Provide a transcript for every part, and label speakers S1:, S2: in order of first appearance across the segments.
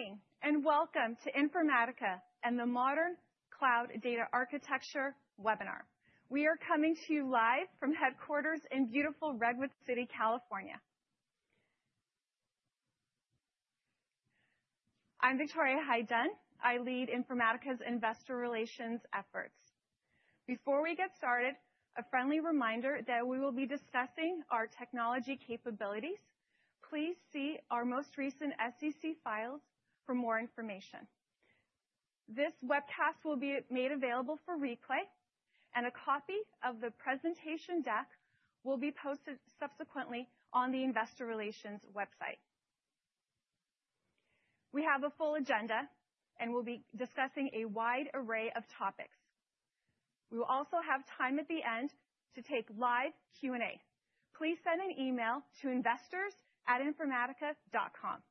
S1: Good morning and welcome to Informatica and the Modern Cloud Data Architecture webinar. We are coming to you live from headquarters in beautiful Redwood City, California. I'm Victoria Hyde-Dunn. I lead Informatica's investor relations efforts. Before we get started, a friendly reminder that we will be discussing our technology capabilities. Please see our most recent SEC filings for more information. This webcast will be made available for replay, and a copy of the presentation deck will be posted subsequently on the investor relations website. We have a full agenda, and we'll be discussing a wide array of topics. We will also have time at the end to take live Q&A. Please send an email to investors@informatica.com.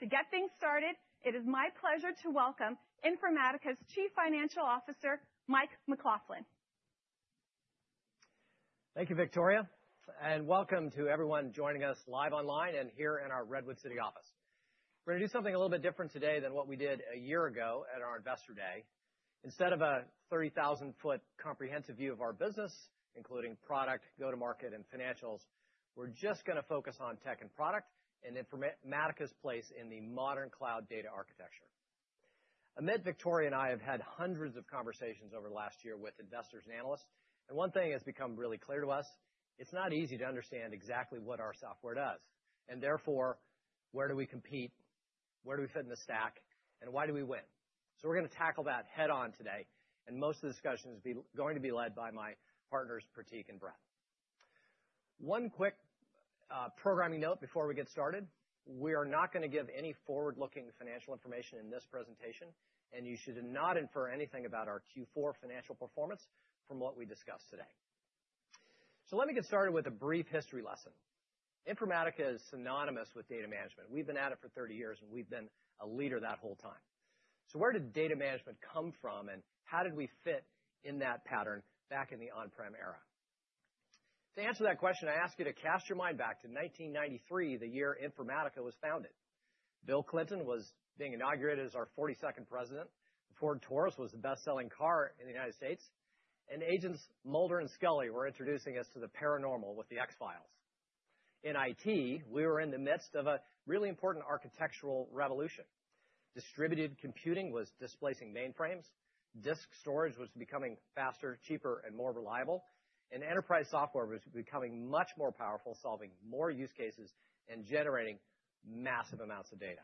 S1: To get things started, it is my pleasure to welcome Informatica's Chief Financial Officer, Mike McLaughlin.
S2: Thank you, Victoria, and welcome to everyone joining us live online and here in our Redwood City office. We're going to do something a little bit different today than what we did a year ago at our investor day. Instead of a 30,000-foot comprehensive view of our business, including product, go-to-market, and financials, we're just going to focus on tech and product and Informatica's place in the modern cloud data architecture. Amit, Victoria, and I have had hundreds of conversations over the last year with investors and analysts, and one thing has become really clear to us: it's not easy to understand exactly what our software does, and therefore, where do we compete, where do we fit in the stack, and why do we win? So we're going to tackle that head-on today, and most of the discussion is going to be led by my partners, Pratik and Brett. One quick programming note before we get started: we are not going to give any forward-looking financial information in this presentation, and you should not infer anything about our Q4 financial performance from what we discuss today. So let me get started with a brief history lesson. Informatica is synonymous with data management. We've been at it for 30 years, and we've been a leader that whole time. So where did data management come from, and how did we fit in that pattern back in the on-prem era? To answer that question, I ask you to cast your mind back to 1993, the year Informatica was founded. Bill Clinton was being inaugurated as our 42nd president. Ford Taurus was the best-selling car in the United States, and agents Mulder and Scully were introducing us to the paranormal with the X-Files. In IT, we were in the midst of a really important architectural revolution. Distributed computing was displacing mainframes. Disk storage was becoming faster, cheaper, and more reliable, and enterprise software was becoming much more powerful, solving more use cases and generating massive amounts of data,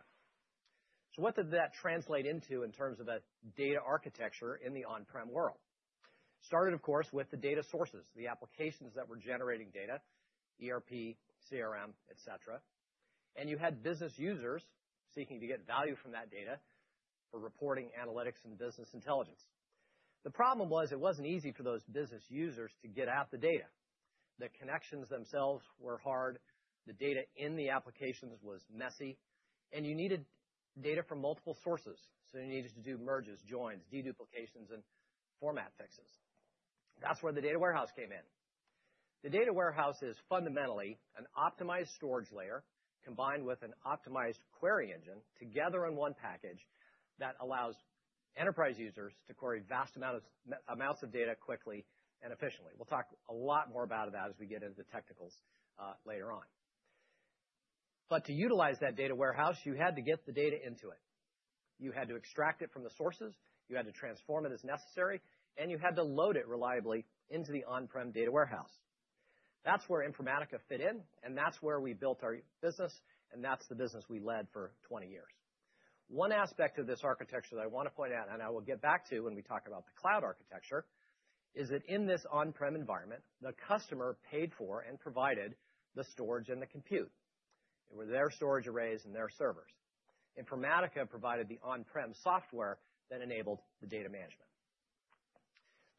S2: so what did that translate into in terms of a data architecture in the on-prem world? It started, of course, with the data sources, the applications that were generating data: ERP, CRM, et cetera, and you had business users seeking to get value from that data for reporting, analytics, and business intelligence. The problem was it wasn't easy for those business users to get at the data. The connections themselves were hard. The data in the applications was messy, and you needed data from multiple sources, so you needed to do merges, joins, deduplications, and format fixes. That's where the data warehouse came in. The data warehouse is fundamentally an optimized storage layer combined with an optimized query engine together in one package that allows enterprise users to query vast amounts of data quickly and efficiently. We'll talk a lot more about that as we get into the technicals later on. But to utilize that data warehouse, you had to get the data into it. You had to extract it from the sources. You had to transform it as necessary, and you had to load it reliably into the on-prem data warehouse. That's where Informatica fit in, and that's where we built our business, and that's the business we led for 20 years. One aspect of this architecture that I want to point out, and I will get back to when we talk about the cloud architecture, is that in this on-prem environment, the customer paid for and provided the storage and the compute. It was their storage arrays and their servers. Informatica provided the on-prem software that enabled the data management.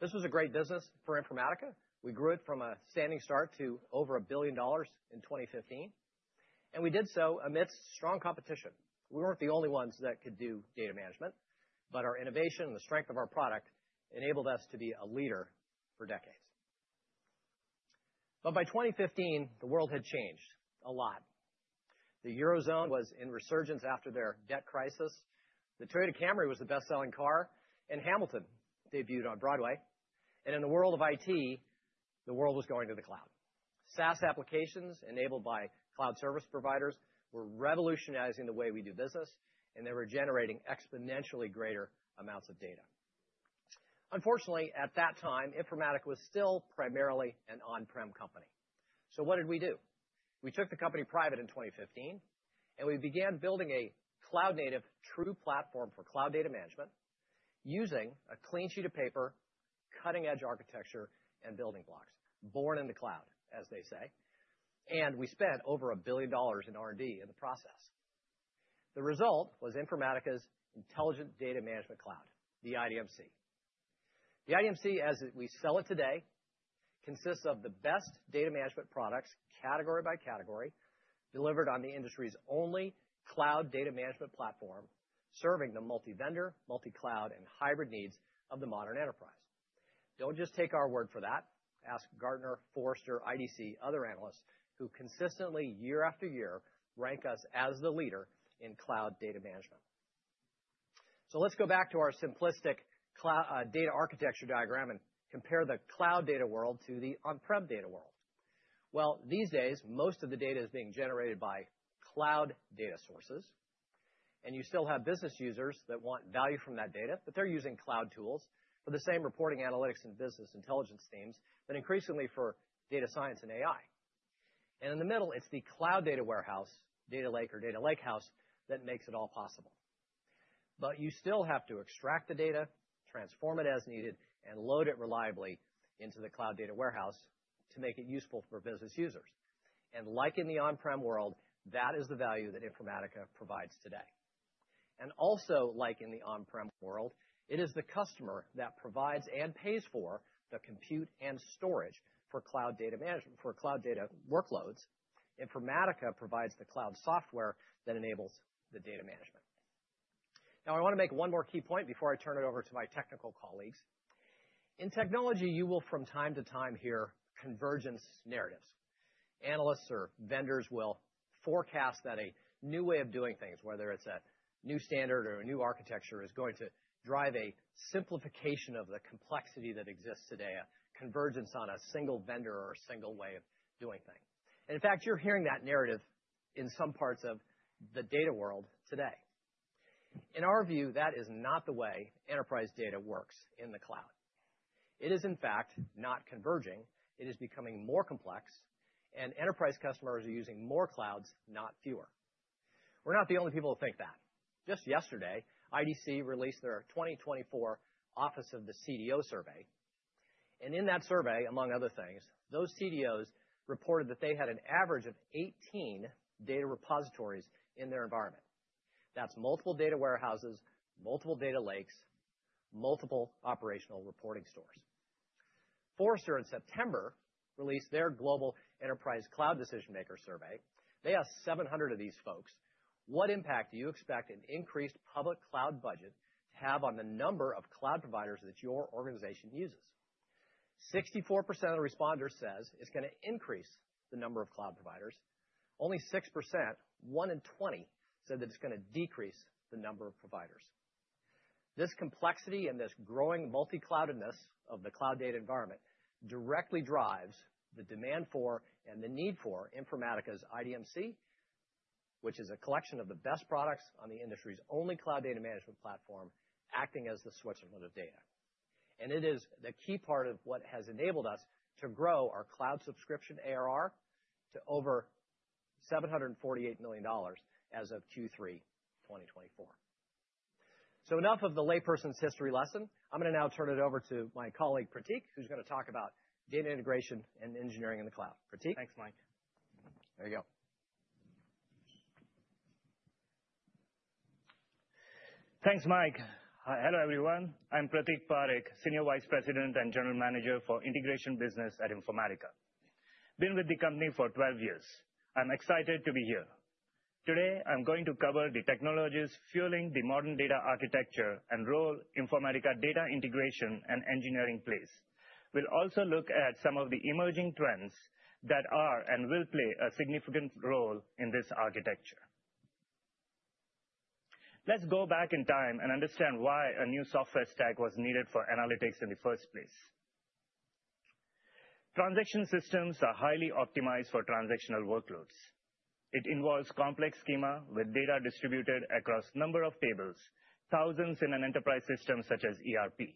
S2: This was a great business for Informatica. We grew it from a standing start to over $1 billion in 2015, and we did so amidst strong competition. We weren't the only ones that could do data management, but our innovation and the strength of our product enabled us to be a leader for decades, but by 2015, the world had changed a lot. The Eurozone was in resurgence after their debt crisis. The Toyota Camry was the best-selling car, and Hamilton debuted on Broadway, and in the world of IT, the world was going to the cloud. SaaS applications enabled by cloud service providers were revolutionizing the way we do business, and they were generating exponentially greater amounts of data. Unfortunately, at that time, Informatica was still primarily an on-prem company. What did we do? We took the company private in 2015, and we began building a cloud-native true platform for cloud data management using a clean sheet of paper, cutting-edge architecture, and building blocks born in the cloud, as they say. We spent over $1 billion in R&D in the process. The result was Informatica's Intelligent Data Management Cloud, the IDMC. The IDMC, as we sell it today, consists of the best data management products category by category delivered on the industry's only cloud data management platform, serving the multi-vendor, multi-cloud, and hybrid needs of the modern enterprise. Don't just take our word for that. Ask Gartner, Forrester, IDC, and other analysts who consistently, year after year, rank us as the leader in cloud data management. Let's go back to our simplistic data architecture diagram and compare the cloud data world to the on-prem data world. These days, most of the data is being generated by cloud data sources, and you still have business users that want value from that data, but they're using cloud tools for the same reporting, analytics, and business intelligence themes than increasingly for data science and AI. And in the middle, it's the cloud data warehouse, data lake, or data lakehouse that makes it all possible. But you still have to extract the data, transform it as needed, and load it reliably into the cloud data warehouse to make it useful for business users. And like in the on-prem world, that is the value that Informatica provides today. And also, like in the on-prem world, it is the customer that provides and pays for the compute and storage for cloud data management, for cloud data workloads. Informatica provides the cloud software that enables the data management. Now, I want to make one more key point before I turn it over to my technical colleagues. In technology, you will, from time to time, hear convergence narratives. Analysts or vendors will forecast that a new way of doing things, whether it's a new standard or a new architecture, is going to drive a simplification of the complexity that exists today, a convergence on a single vendor or a single way of doing things. And in fact, you're hearing that narrative in some parts of the data world today. In our view, that is not the way enterprise data works in the cloud. It is, in fact, not converging. It is becoming more complex, and enterprise customers are using more clouds, not fewer. We're not the only people who think that. Just yesterday, IDC released their 2024 Office of the CDO survey. And in that survey, among other things, those CDOs reported that they had an average of 18 data repositories in their environment. That's multiple data warehouses, multiple data lakes, multiple operational reporting stores. Forrester, in September, released their Global Enterprise Cloud Decision Maker survey. They asked 700 of these folks, "What impact do you expect an increased public cloud budget to have on the number of cloud providers that your organization uses?" 64% of the responders said it's going to increase the number of cloud providers. Only 6%, one in 20, said that it's going to decrease the number of providers. This complexity and this growing multi-cloudedness of the cloud data environment directly drives the demand for and the need for Informatica's IDMC, which is a collection of the best products on the industry's only cloud data management platform acting as the Switzerland of data. And it is the key part of what has enabled us to grow our cloud subscription ARR to over $748 million as of Q3 2024. So enough of the layperson's history lesson. I'm going to now turn it over to my colleague, Pratik, who's going to talk about data integration and engineering in the cloud. Pratik?
S3: Thanks, Mike.
S2: There you go.
S3: Thanks, Mike. Hello, everyone. I'm Pratik Parekh, Senior Vice President and General Manager for Integration Business at Informatica. I've been with the company for 12 years. I'm excited to be here. Today, I'm going to cover the technologies fueling the modern data architecture and role Informatica data integration and engineering plays. We'll also look at some of the emerging trends that are and will play a significant role in this architecture. Let's go back in time and understand why a new software stack was needed for analytics in the first place. Transaction systems are highly optimized for transactional workloads. It involves complex schema with data distributed across a number of tables, thousands in an enterprise system such as ERP.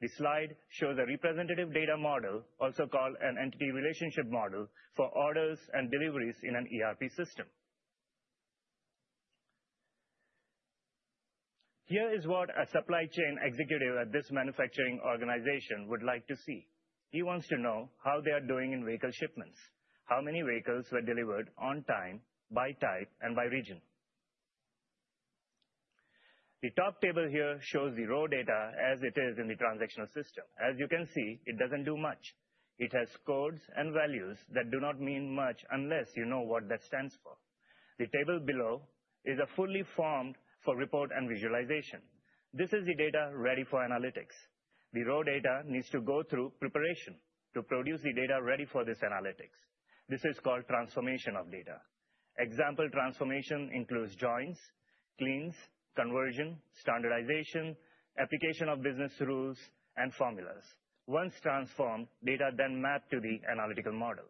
S3: The slide shows a representative data model, also called an entity relationship model, for orders and deliveries in an ERP system. Here is what a supply chain executive at this manufacturing organization would like to see. He wants to know how they are doing in vehicle shipments, how many vehicles were delivered on time, by type, and by region. The top table here shows the raw data as it is in the transactional system. As you can see, it doesn't do much. It has codes and values that do not mean much unless you know what that stands for. The table below is a fully formed report and visualization. This is the data ready for analytics. The raw data needs to go through preparation to produce the data ready for this analytics. This is called transformation of data. Example transformation includes joins, cleans, conversion, standardization, application of business rules, and formulas. Once transformed, data then mapped to the analytical model.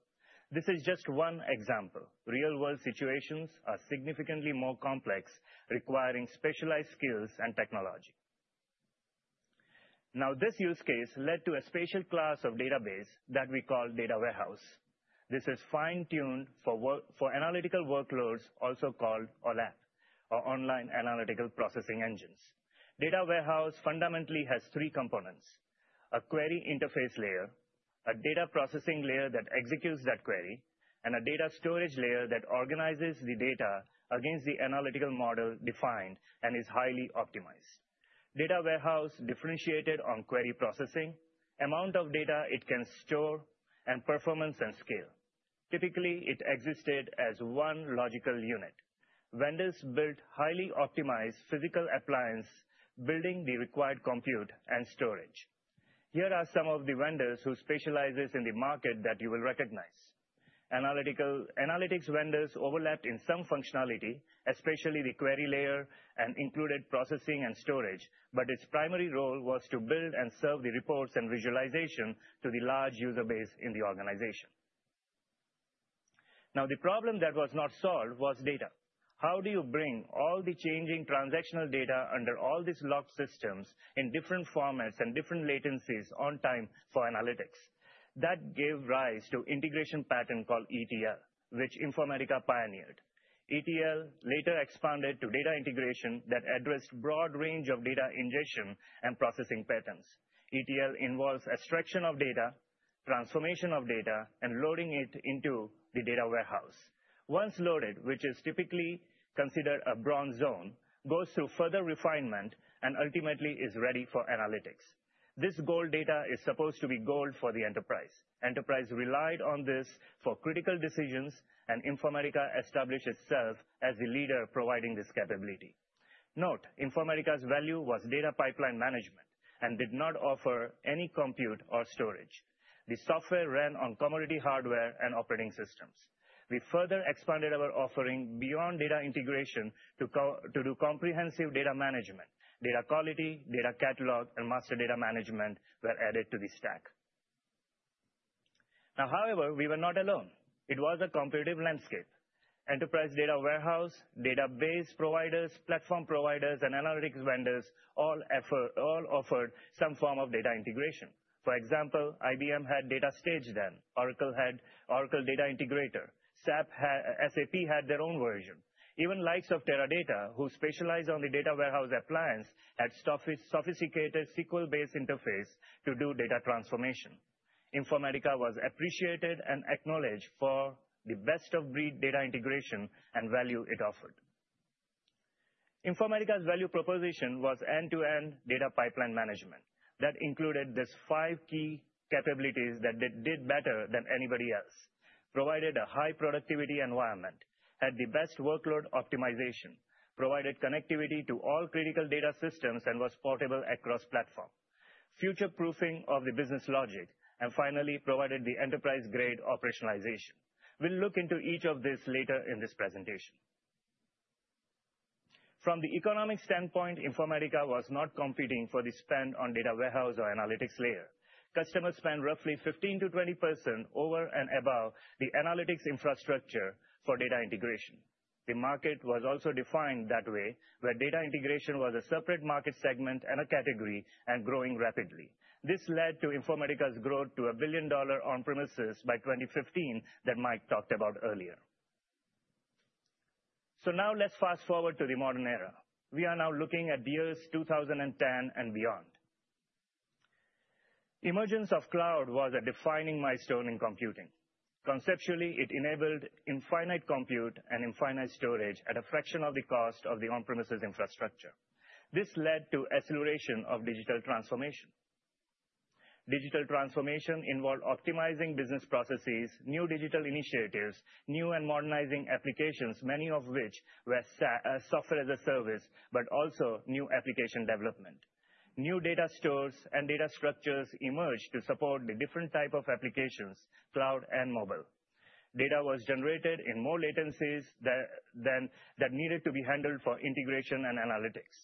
S3: This is just one example. Real-world situations are significantly more complex, requiring specialized skills and technology. Now, this use case led to a special class of database that we call data warehouse. This is fine-tuned for analytical workloads, also called OLAP, or online analytical processing engines. Data warehouse fundamentally has three components: a query interface layer, a data processing layer that executes that query, and a data storage layer that organizes the data against the analytical model defined and is highly optimized. Data warehouse differentiated on query processing, amount of data it can store, and performance and scale. Typically, it existed as one logical unit. Vendors built highly optimized physical appliance, building the required compute and storage. Here are some of the vendors who specialize in the market that you will recognize. Analytics vendors overlapped in some functionality, especially the query layer and included processing and storage, but its primary role was to build and serve the reports and visualization to the large user base in the organization. Now, the problem that was not solved was data. How do you bring all the changing transactional data under all these locked systems in different formats and different latencies on time for analytics? That gave rise to an integration pattern called ETL, which Informatica pioneered. ETL later expanded to data integration that addressed a broad range of data ingestion and processing patterns. ETL involves extraction of data, transformation of data, and loading it into the data warehouse. Once loaded, which is typically considered a Bronze zone, it goes through further refinement and ultimately is ready for analytics. This gold data is supposed to be gold for the enterprise. Enterprises relied on this for critical decisions, and Informatica established itself as the leader providing this capability. Note, Informatica's value was data pipeline management and did not offer any compute or storage. The software ran on commodity hardware and operating systems. We further expanded our offering beyond data integration to do comprehensive data management. Data quality, data catalog, and master data management were added to the stack. Now, however, we were not alone. It was a competitive landscape. Enterprise data warehouse, database providers, platform providers, and analytics vendors all offered some form of data integration. For example, IBM had DataStage then. Oracle had Oracle Data Integrator. SAP had their own version. Even likes of Teradata, who specialize on the data warehouse appliance, had sophisticated SQL-based interface to do data transformation. Informatica was appreciated and acknowledged for the best-of-breed data integration and value it offered. Informatica's value proposition was end-to-end data pipeline management. That included these five key capabilities that did better than anybody else, provided a high productivity environment, had the best workload optimization, provided connectivity to all critical data systems, and was portable across platform, future-proofing of the business logic, and finally, provided the enterprise-grade operationalization. We'll look into each of these later in this presentation. From the economic standpoint, Informatica was not competing for the spend on data warehouse or analytics layer. Customers spent roughly 15%-20% over and above the analytics infrastructure for data integration. The market was also defined that way, where data integration was a separate market segment and a category and growing rapidly. This led to Informatica's growth to a billion-dollar on-premises by 2015 that Mike talked about earlier. So now, let's fast forward to the modern era. We are now looking at the years 2010 and beyond. Emergence of cloud was a defining milestone in computing. Conceptually, it enabled infinite compute and infinite storage at a fraction of the cost of the on-premises infrastructure. This led to acceleration of digital transformation. Digital transformation involved optimizing business processes, new digital initiatives, new and modernizing applications, many of which were software as a service, but also new application development. New data stores and data structures emerged to support the different types of applications, cloud and mobile. Data was generated in more latencies than needed to be handled for integration and analytics.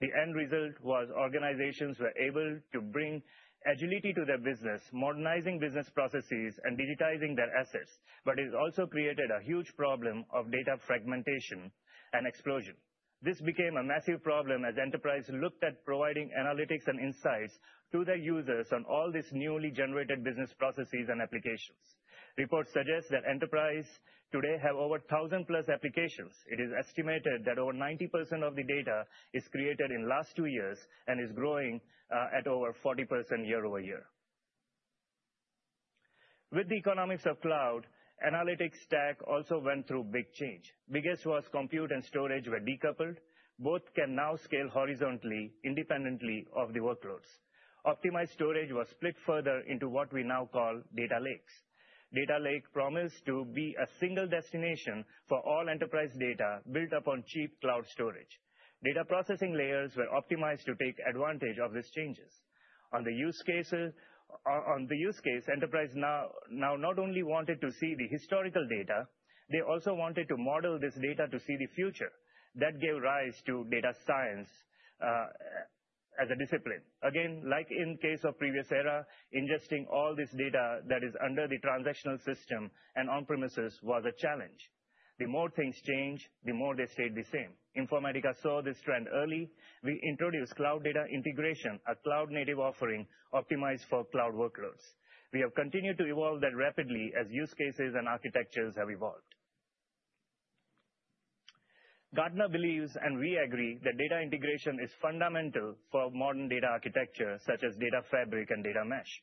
S3: The end result was organizations were able to bring agility to their business, modernizing business processes and digitizing their assets, but it also created a huge problem of data fragmentation and explosion. This became a massive problem as enterprises looked at providing analytics and insights to their users on all these newly generated business processes and applications. Reports suggest that enterprises today have over 1,000-plus applications. It is estimated that over 90% of the data is created in the last two years and is growing at over 40% year over year. With the economics of cloud, analytics stack also went through big change. Biggest was compute and storage were decoupled. Both can now scale horizontally, independently of the workloads. Optimized storage was split further into what we now call data lakes. Data lake promised to be a single destination for all enterprise data built upon cheap cloud storage. Data processing layers were optimized to take advantage of these changes. On the use case, enterprise now not only wanted to see the historical data, they also wanted to model this data to see the future. That gave rise to data science as a discipline. Again, like in the case of the previous era, ingesting all this data that is under the transactional system and on-premises was a challenge. The more things change, the more they stay the same. Informatica saw this trend early. We introduced cloud data integration, a cloud-native offering optimized for cloud workloads. We have continued to evolve that rapidly as use cases and architectures have evolved. Gartner believes, and we agree, that data integration is fundamental for modern data architecture, such as data fabric and data mesh.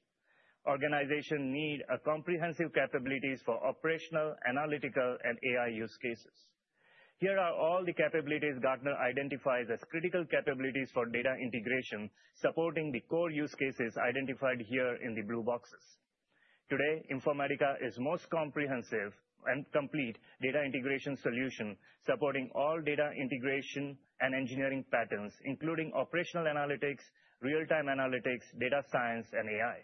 S3: Organizations need comprehensive capabilities for operational, analytical, and AI use cases. Here are all the capabilities Gartner identifies as critical capabilities for data integration, supporting the core use cases identified here in the blue boxes. Today, Informatica is the most comprehensive and complete data integration solution supporting all data integration and engineering patterns, including operational analytics, real-time analytics, data science, and AI.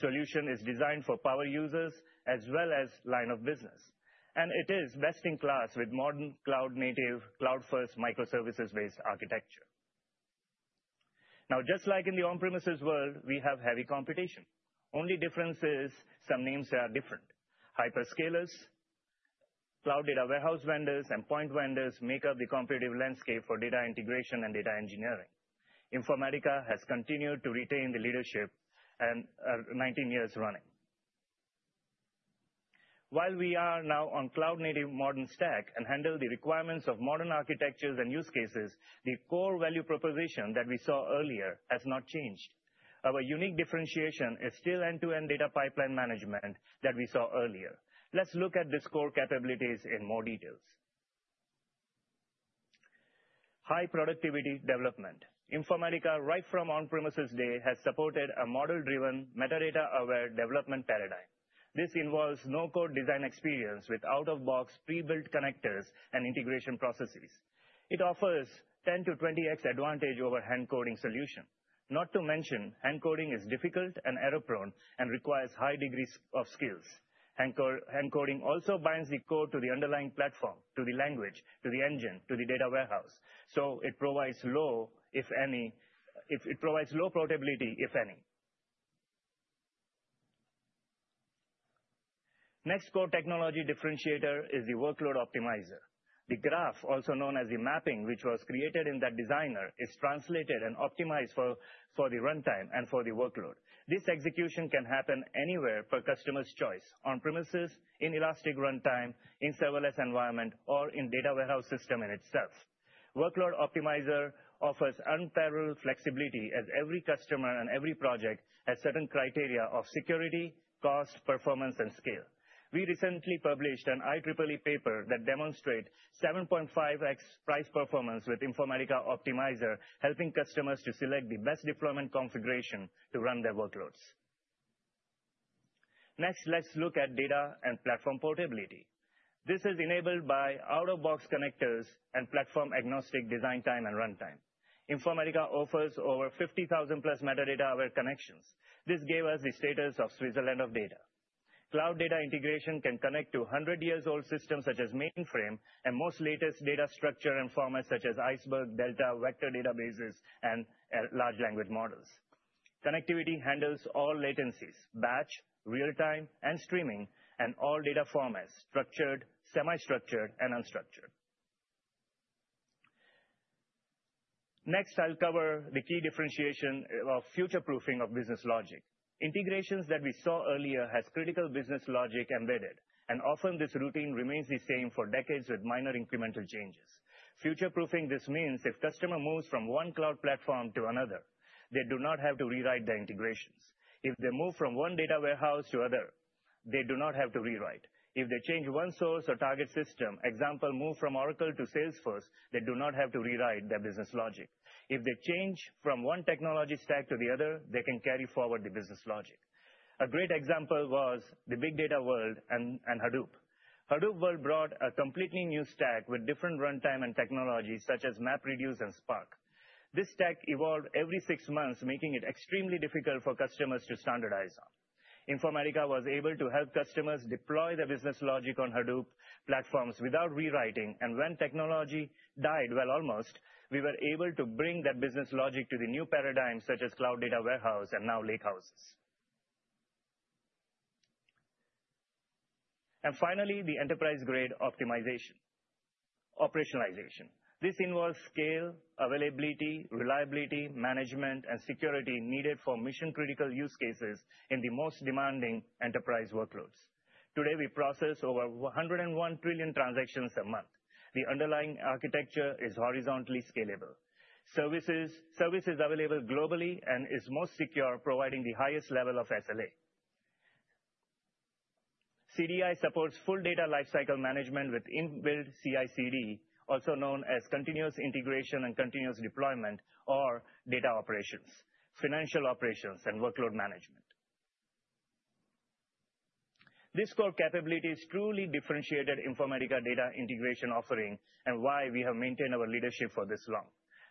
S3: The solution is designed for power users as well as line of business, and it is best in class with modern cloud-native, cloud-first microservices-based architecture. Now, just like in the on-premises world, we have heavy competition. Only difference is some names are different. Hyperscalers, cloud data warehouse vendors, and point vendors make up the competitive landscape for data integration and data engineering. Informatica has continued to retain the leadership for 19 years running. While we are now on cloud-native modern stack and handle the requirements of modern architectures and use cases, the core value proposition that we saw earlier has not changed. Our unique differentiation is still end-to-end data pipeline management that we saw earlier. Let's look at these core capabilities in more detail. High productivity development. Informatica, right from on-premises day, has supported a model-driven, metadata-aware development paradigm. This involves no-code design experience with out-of-box pre-built connectors and integration processes. It offers a 10-20x advantage over hand-coding solutions. Not to mention, hand-coding is difficult and error-prone and requires a high degree of skills. Hand-coding also binds the code to the underlying platform, to the language, to the engine, to the data warehouse. So it provides low portability, if any. Next core technology differentiator is the workload optimizer. The graph, also known as the mapping, which was created in that designer, is translated and optimized for the runtime and for the workload. This execution can happen anywhere per customer's choice: on-premises, in elastic runtime, in serverless environment, or in a data warehouse system in itself. Workload optimizer offers unparalleled flexibility as every customer and every project has certain criteria of security, cost, performance, and scale. We recently published an IEEE paper that demonstrated 7.5x price performance with the Informatica optimizer, helping customers to select the best deployment configuration to run their workloads. Next, let's look at data and platform portability. This is enabled by out-of-box connectors and platform-agnostic design time and runtime. Informatica offers over 50,000-plus metadata-aware connections. This gave us the status of Switzerland of data. Cloud data integration can connect to 100-year-old systems such as mainframe and most latest data structure and formats such as Iceberg, Delta, vector databases, and large language models. Connectivity handles all latencies: batch, real-time, and streaming, and all data formats: structured, semi-structured, and unstructured. Next, I'll cover the key differentiation of future-proofing of business logic. Integrations that we saw earlier have critical business logic embedded, and often this routine remains the same for decades with minor incremental changes. Future-proofing this means if a customer moves from one cloud platform to another, they do not have to rewrite the integrations. If they move from one data warehouse to another, they do not have to rewrite. If they change one source or target system, for example, move from Oracle to Salesforce, they do not have to rewrite their business logic. If they change from one technology stack to the other, they can carry forward the business logic. A great example was the big data world and Hadoop. The Hadoop world brought a completely new stack with different runtime and technologies such as MapReduce and Spark. This stack evolved every six months, making it extremely difficult for customers to standardize on. Informatica was able to help customers deploy their business logic on Hadoop platforms without rewriting. And when technology died, well, almost, we were able to bring that business logic to the new paradigms such as cloud data warehouse, and now lakehouses. And finally, the enterprise-grade optimization, operationalization. This involves scale, availability, reliability, management, and security needed for mission-critical use cases in the most demanding enterprise workloads. Today, we process over 101 trillion transactions a month. The underlying architecture is horizontally scalable. Service is available globally and is most secure, providing the highest level of SLA. CDI supports full data lifecycle management with built-in CI/CD, also known as continuous integration and continuous deployment, or data operations, financial operations, and workload management. This core capability is truly differentiated Informatica data integration offering and why we have maintained our leadership for this long.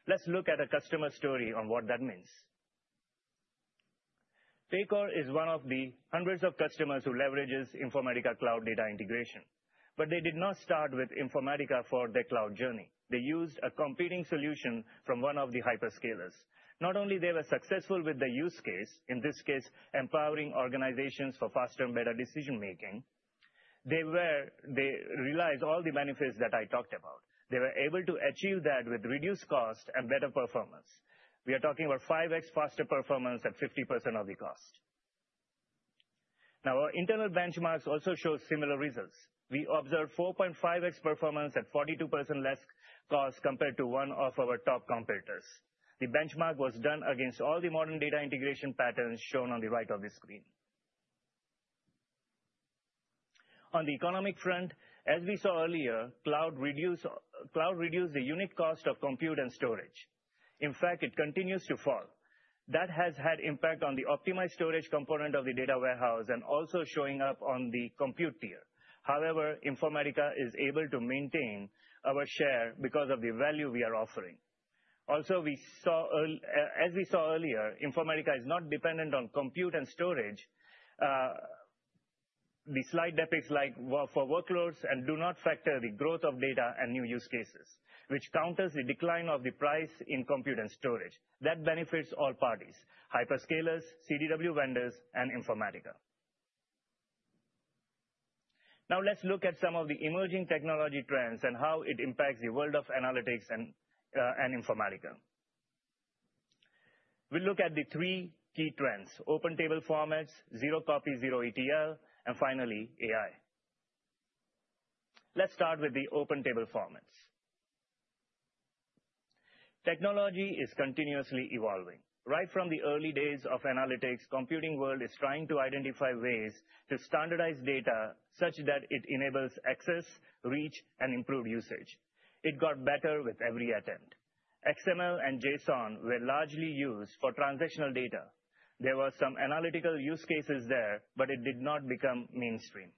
S3: Let's look at a customer story on what that means. Paycor is one of the hundreds of customers who leverage Informatica cloud data integration. But they did not start with Informatica for their cloud journey. They used a competing solution from one of the hyperscalers. Not only were they successful with the use case, in this case, empowering organizations for faster and better decision-making, they realized all the benefits that I talked about. They were able to achieve that with reduced cost and better performance. We are talking about 5x faster performance at 50% of the cost. Now, our internal benchmarks also show similar results. We observed 4.5x performance at 42% less cost compared to one of our top competitors. The benchmark was done against all the modern data integration patterns shown on the right of the screen. On the economic front, as we saw earlier, cloud reduced the unit cost of compute and storage. In fact, it continues to fall. That has had an impact on the optimized storage component of the data warehouse and also showing up on the compute tier. However, Informatica is able to maintain our share because of the value we are offering. Also, as we saw earlier, Informatica is not dependent on compute and storage. The slight dips for workloads do not factor the growth of data and new use cases, which counters the decline of the price in compute and storage. That benefits all parties: hyperscalers, CDW vendors, and Informatica. Now, let's look at some of the emerging technology trends and how it impacts the world of analytics and Informatica. We'll look at the three key trends: open table formats, zero copy, Zero-ETL, and finally, AI. Let's start with the open table formats. Technology is continuously evolving. Right from the early days of analytics, the computing world is trying to identify ways to standardize data such that it enables access, reach, and improved usage. It got better with every attempt. XML and JSON were largely used for transactional data. There were some analytical use cases there, but it did not become mainstream.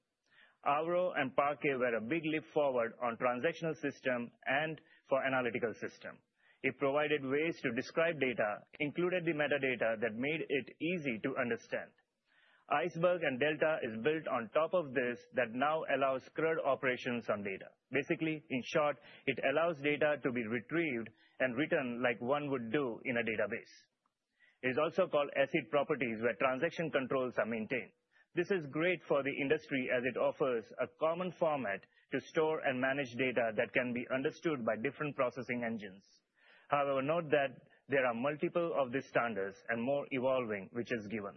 S3: Avro and Parquet were a big leap forward on transactional systems and for analytical systems. It provided ways to describe data, included the metadata that made it easy to understand. Iceberg and Delta are built on top of this that now allow ACID operations on data. Basically, in short, it allows data to be retrieved and written like one would do in a database. It is also called ACID properties, where transaction controls are maintained. This is great for the industry as it offers a common format to store and manage data that can be understood by different processing engines. However, note that there are multiple of these standards and more evolving, which is given.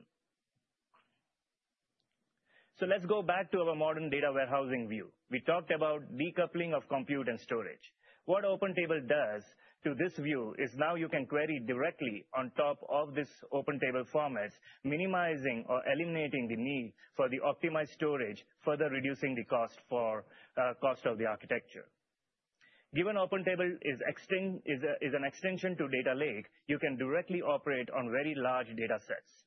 S3: Let's go back to our modern data warehousing view. We talked about decoupling of compute and storage. What Open Table does to this view is now you can query directly on top of these open table formats, minimizing or eliminating the need for the optimized storage, further reducing the cost of the architecture. Given Open Table is an extension to data lake, you can directly operate on very large data sets.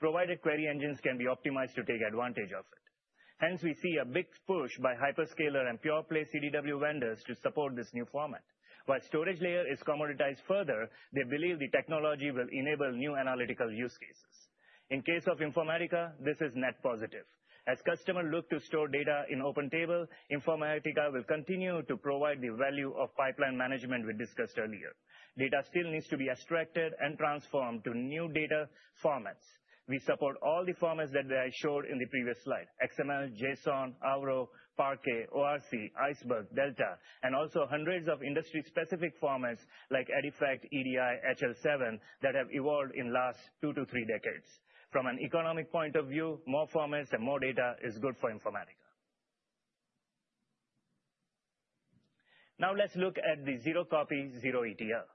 S3: Provided query engines can be optimized to take advantage of it. Hence, we see a big push by hyperscaler and pure-play CDW vendors to support this new format. While the storage layer is commoditized further, they believe the technology will enable new analytical use cases. In the case of Informatica, this is net positive. As customers look to store data in Open Table, Informatica will continue to provide the value of pipeline management we discussed earlier. Data still needs to be extracted and transformed to new data formats. We support all the formats that I showed in the previous slide: XML, JSON, Avro, Parquet, ORC, Iceberg, Delta, and also hundreds of industry-specific formats like EDIFACT, EDI, HL7 that have evolved in the last two to three decades. From an economic point of view, more formats and more data is good for Informatica. Now, let's look at the zero copy, Zero-ETL.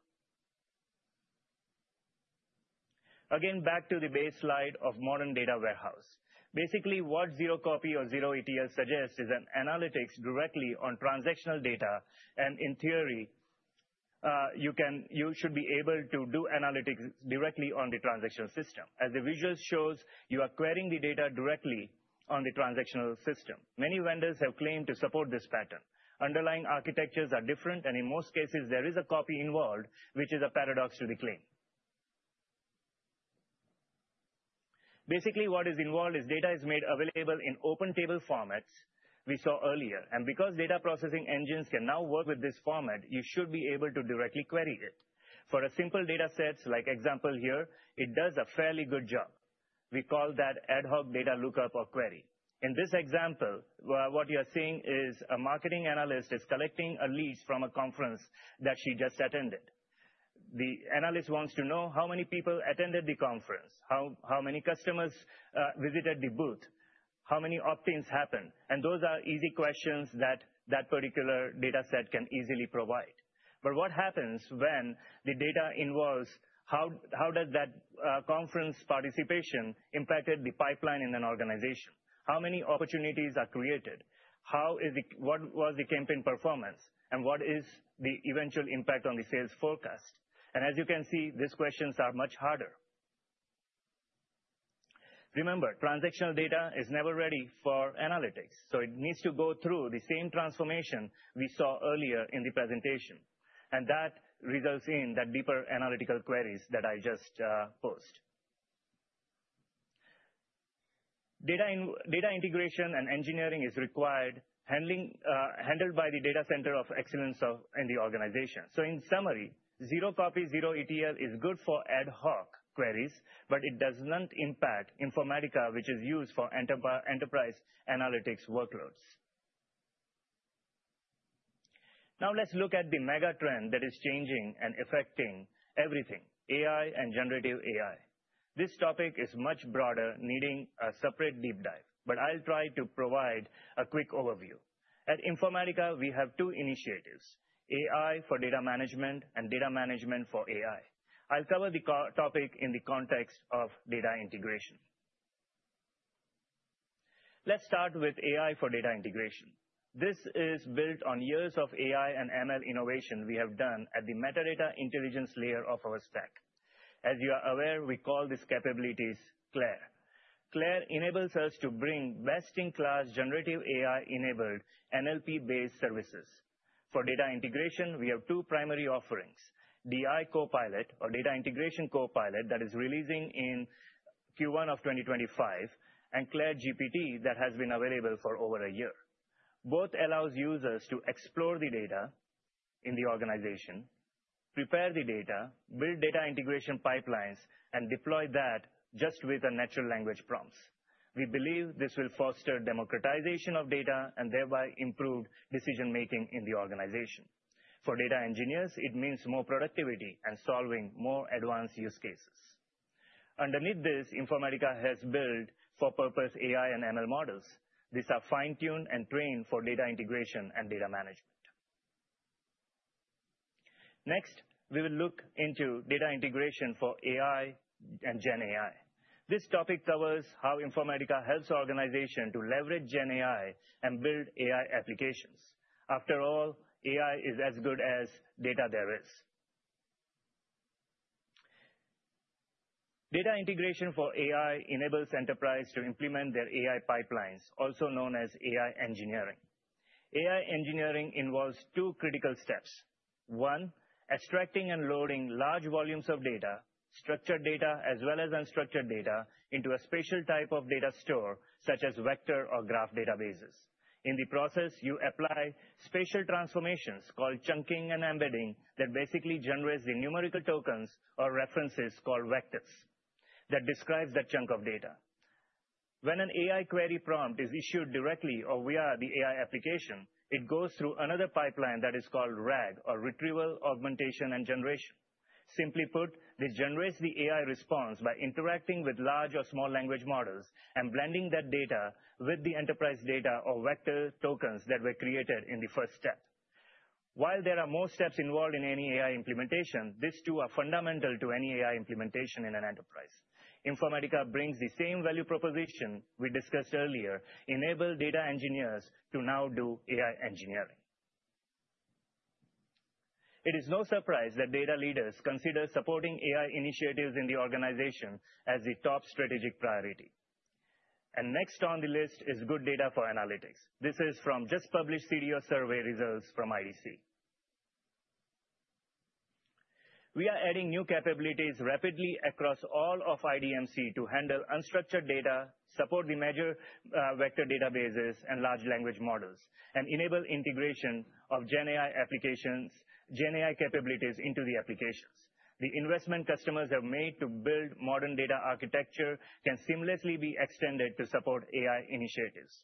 S3: Again, back to the baseline of modern data warehouse. Basically, what zero copy or Zero-ETL suggests is analytics directly on transactional data, and in theory, you should be able to do analytics directly on the transactional system. As the visual shows, you are querying the data directly on the transactional system. Many vendors have claimed to support this pattern. Underlying architectures are different, and in most cases, there is a copy involved, which is a paradox to the claim. Basically, what is involved is data is made available in open table formats we saw earlier. And because data processing engines can now work with this format, you should be able to directly query it. For simple data sets, like an example here, it does a fairly good job. We call that ad hoc data lookup or query. In this example, what you are seeing is a marketing analyst collecting leads from a conference that she just attended. The analyst wants to know how many people attended the conference, how many customers visited the booth, how many opt-ins happened. And those are easy questions that that particular data set can easily provide. But what happens when the data involves how does that conference participation impact the pipeline in an organization? How many opportunities are created? What was the campaign performance? What is the eventual impact on the sales forecast? As you can see, these questions are much harder. Remember, transactional data is never ready for analytics. It needs to go through the same transformation we saw earlier in the presentation. That results in that deeper analytical queries that I just posed. Data integration and engineering is required, handled by the data center of excellence in the organization. In summary, zero copy, Zero-ETL is good for ad hoc queries, but it does not impact Informatica, which is used for enterprise analytics workloads. Now, let's look at the mega trend that is changing and affecting everything: AI and generative AI. This topic is much broader, needing a separate deep dive. I'll try to provide a quick overview. At Informatica, we have two initiatives: AI for data management and data management for AI. I'll cover the topic in the context of data integration. Let's start with AI for data integration. This is built on years of AI and ML innovation we have done at the metadata intelligence layer of our stack. As you are aware, we call these capabilities CLAIRE. CLAIRE enables us to bring best-in-class generative AI-enabled NLP-based services. For data integration, we have two primary offerings: DI Copilot, or Data Integration Copilot, that is releasing in Q1 of 2025, and CLAIRE GPT, that has been available for over a year. Both allow users to explore the data in the organization, prepare the data, build data integration pipelines, and deploy that just with natural language prompts. We believe this will foster democratization of data and thereby improve decision-making in the organization. For data engineers, it means more productivity and solving more advanced use cases. Underneath this, Informatica has built fit-for-purpose AI and ML models. These are fine-tuned and trained for data integration and data management. Next, we will look into data integration for AI and GenAI. This topic covers how Informatica helps organizations to leverage GenAI and build AI applications. After all, AI is as good as data there is. Data integration for AI enables enterprises to implement their AI pipelines, also known as AI engineering. AI engineering involves two critical steps. One, extracting and loading large volumes of data, structured data as well as unstructured data, into a special type of data store, such as vector or graph databases. In the process, you apply special transformations called chunking and embedding that basically generate the numerical tokens or references called vectors that describe that chunk of data. When an AI query prompt is issued directly or via the AI application, it goes through another pipeline that is called RAG, or Retrieval, Augmentation, and Generation. Simply put, this generates the AI response by interacting with large or small language models and blending that data with the enterprise data or vector tokens that were created in the first step. While there are more steps involved in any AI implementation, these two are fundamental to any AI implementation in an enterprise. Informatica brings the same value proposition we discussed earlier, enabling data engineers to now do AI engineering. It is no surprise that data leaders consider supporting AI initiatives in the organization as the top strategic priority, and next on the list is good data for analytics. This is from just-published CDO survey results from IDC. We are adding new capabilities rapidly across all of IDMC to handle unstructured data, support the major vector databases and large language models, and enable integration of GenAI applications, GenAI capabilities into the applications. The investment customers have made to build modern data architecture can seamlessly be extended to support AI initiatives.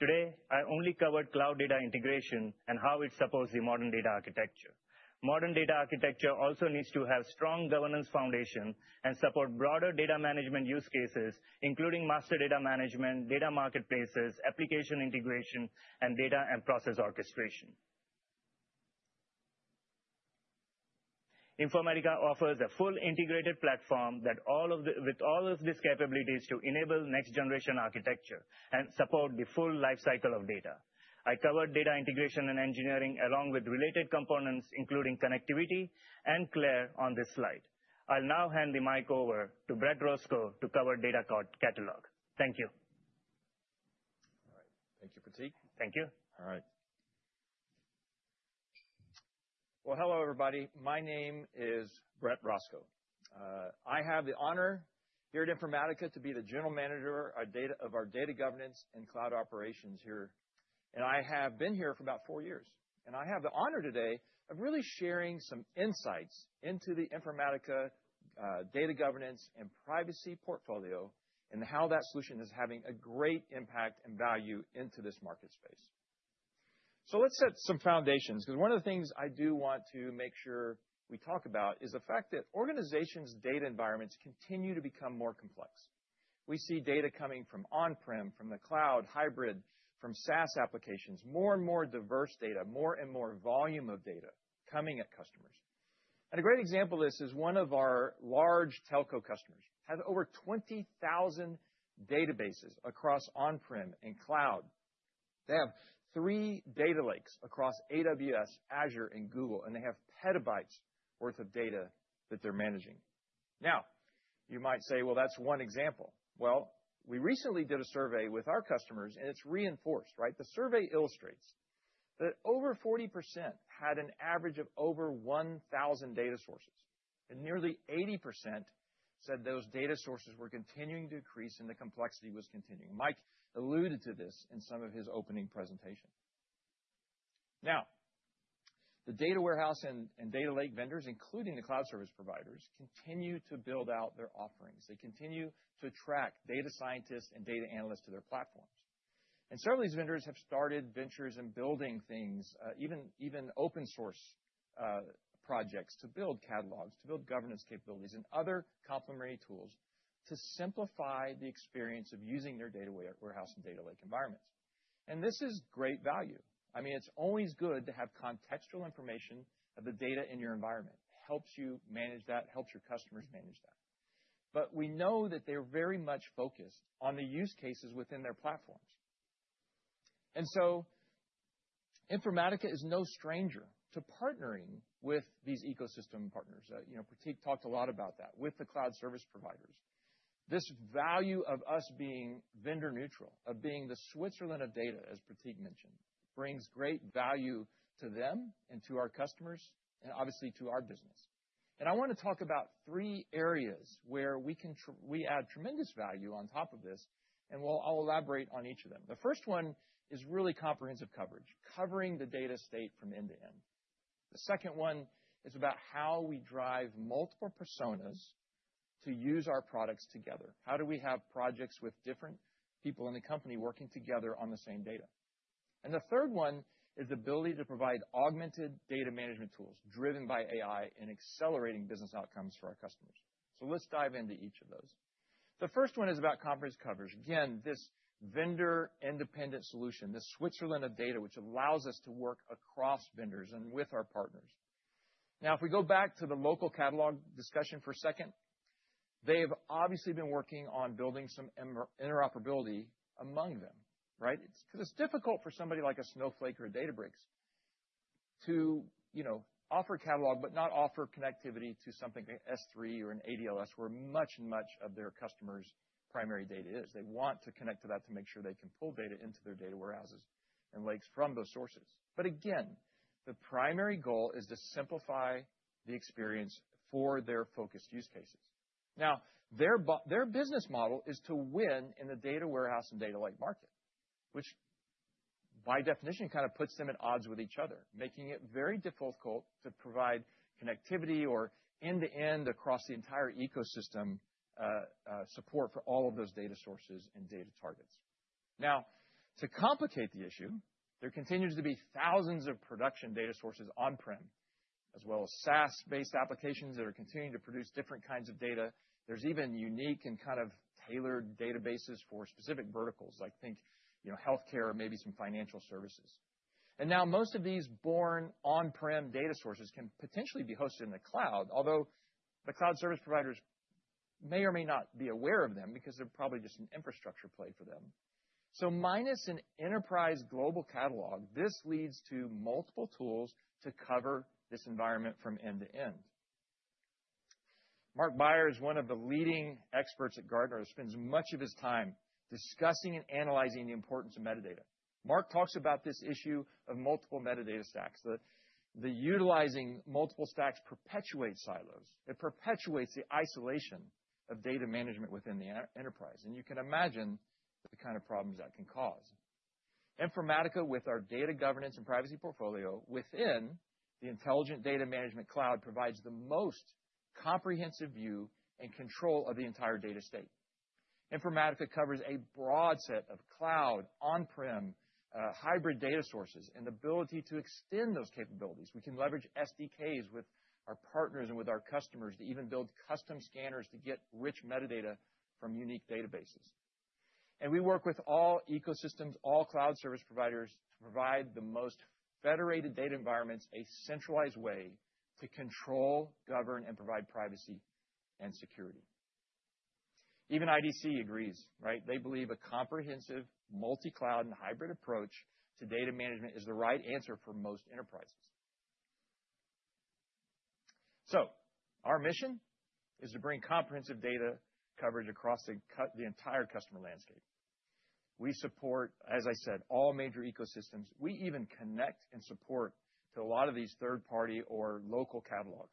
S3: Today, I only covered cloud data integration and how it supports the modern data architecture. Modern data architecture also needs to have a strong governance foundation and support broader data management use cases, including master data management, data marketplaces, application integration, and data and process orchestration. Informatica offers a full integrated platform with all of these capabilities to enable next-generation architecture and support the full lifecycle of data. I covered data integration and engineering along with related components, including connectivity and CLAIRE, on this slide. I'll now hand the mic over to Brett Roscoe to cover Data Catalog. Thank you.
S4: All right. Thank you, Pratik.
S3: Thank you.
S4: All right. Well, hello, everybody. My name is Brett Roscoe. I have the honor here at Informatica to be the general manager of our data governance and cloud operations here, and I have been here for about four years, and I have the honor today of really sharing some insights into the Informatica data governance and privacy portfolio and how that solution is having a great impact and value into this market space, so let's set some foundations, because one of the things I do want to make sure we talk about is the fact that organizations' data environments continue to become more complex. We see data coming from on-prem, from the cloud, hybrid, from SaaS applications, more and more diverse data, more and more volume of data coming at customers. A great example of this is one of our large telco customers has over 20,000 databases across on-prem and cloud. They have three data lakes across AWS, Azure, and Google, and they have petabytes' worth of data that they're managing. Now, you might say, well, that's one example. We recently did a survey with our customers, and it's reinforced, right? The survey illustrates that over 40% had an average of over 1,000 data sources, and nearly 80% said those data sources were continuing to increase and the complexity was continuing. Mike alluded to this in some of his opening presentation. Now, the data warehouse and data lake vendors, including the cloud service providers, continue to build out their offerings. They continue to attract data scientists and data analysts to their platforms. And several of these vendors have started ventures and building things, even open-source projects, to build catalogs, to build governance capabilities, and other complementary tools to simplify the experience of using their data warehouse and data lake environments. And this is great value. I mean, it's always good to have contextual information of the data in your environment. It helps you manage that, helps your customers manage that. But we know that they're very much focused on the use cases within their platforms. And so Informatica is no stranger to partnering with these ecosystem partners. Pratik talked a lot about that with the cloud service providers. This value of us being vendor neutral, of being the Switzerland of data, as Pratik mentioned, brings great value to them and to our customers and obviously to our business. I want to talk about three areas where we add tremendous value on top of this, and I'll elaborate on each of them. The first one is really comprehensive coverage, covering the data estate from end to end. The second one is about how we drive multiple personas to use our products together. How do we have projects with different people in the company working together on the same data? And the third one is the ability to provide augmented data management tools driven by AI and accelerating business outcomes for our customers. So let's dive into each of those. The first one is about comprehensive coverage. Again, this vendor-independent solution, this Switzerland of data, which allows us to work across vendors and with our partners. Now, if we go back to the local catalog discussion for a second, they have obviously been working on building some interoperability among them, right? Because it's difficult for somebody like a Snowflake or Databricks to offer catalog but not offer connectivity to something like S3 or an ADLS, where much, much of their customers' primary data is. They want to connect to that to make sure they can pull data into their data warehouses and lakes from those sources. But again, the primary goal is to simplify the experience for their focused use cases. Now, their business model is to win in the data warehouse and data lake market, which by definition kind of puts them at odds with each other, making it very difficult to provide connectivity or end-to-end across the entire ecosystem support for all of those data sources and data targets. Now, to complicate the issue, there continues to be thousands of production data sources on-prem, as well as SaaS-based applications that are continuing to produce different kinds of data. There's even unique and kind of tailored databases for specific verticals, like think healthcare or maybe some financial services. And now, most of these born on-prem data sources can potentially be hosted in the cloud, although the cloud service providers may or may not be aware of them because they're probably just an infrastructure play for them. So minus an enterprise global catalog, this leads to multiple tools to cover this environment from end to end. Mark Beyer is one of the leading experts at Gartner who spends much of his time discussing and analyzing the importance of metadata. Mark talks about this issue of multiple metadata stacks. The utilizing multiple stacks perpetuates silos. It perpetuates the isolation of data management within the enterprise. And you can imagine the kind of problems that can cause. Informatica, with our data governance and privacy portfolio within the Intelligent Data Management Cloud, provides the most comprehensive view and control of the entire data estate. Informatica covers a broad set of cloud, on-prem, hybrid data sources and the ability to extend those capabilities. We can leverage SDKs with our partners and with our customers to even build custom scanners to get rich metadata from unique databases. And we work with all ecosystems, all cloud service providers to provide the most federated data environments, a centralized way to control, govern, and provide privacy and security. Even IDC agrees, right? They believe a comprehensive multi-cloud and hybrid approach to data management is the right answer for most enterprises. So our mission is to bring comprehensive data coverage across the entire customer landscape. We support, as I said, all major ecosystems. We even connect and support a lot of these third-party or local catalogs.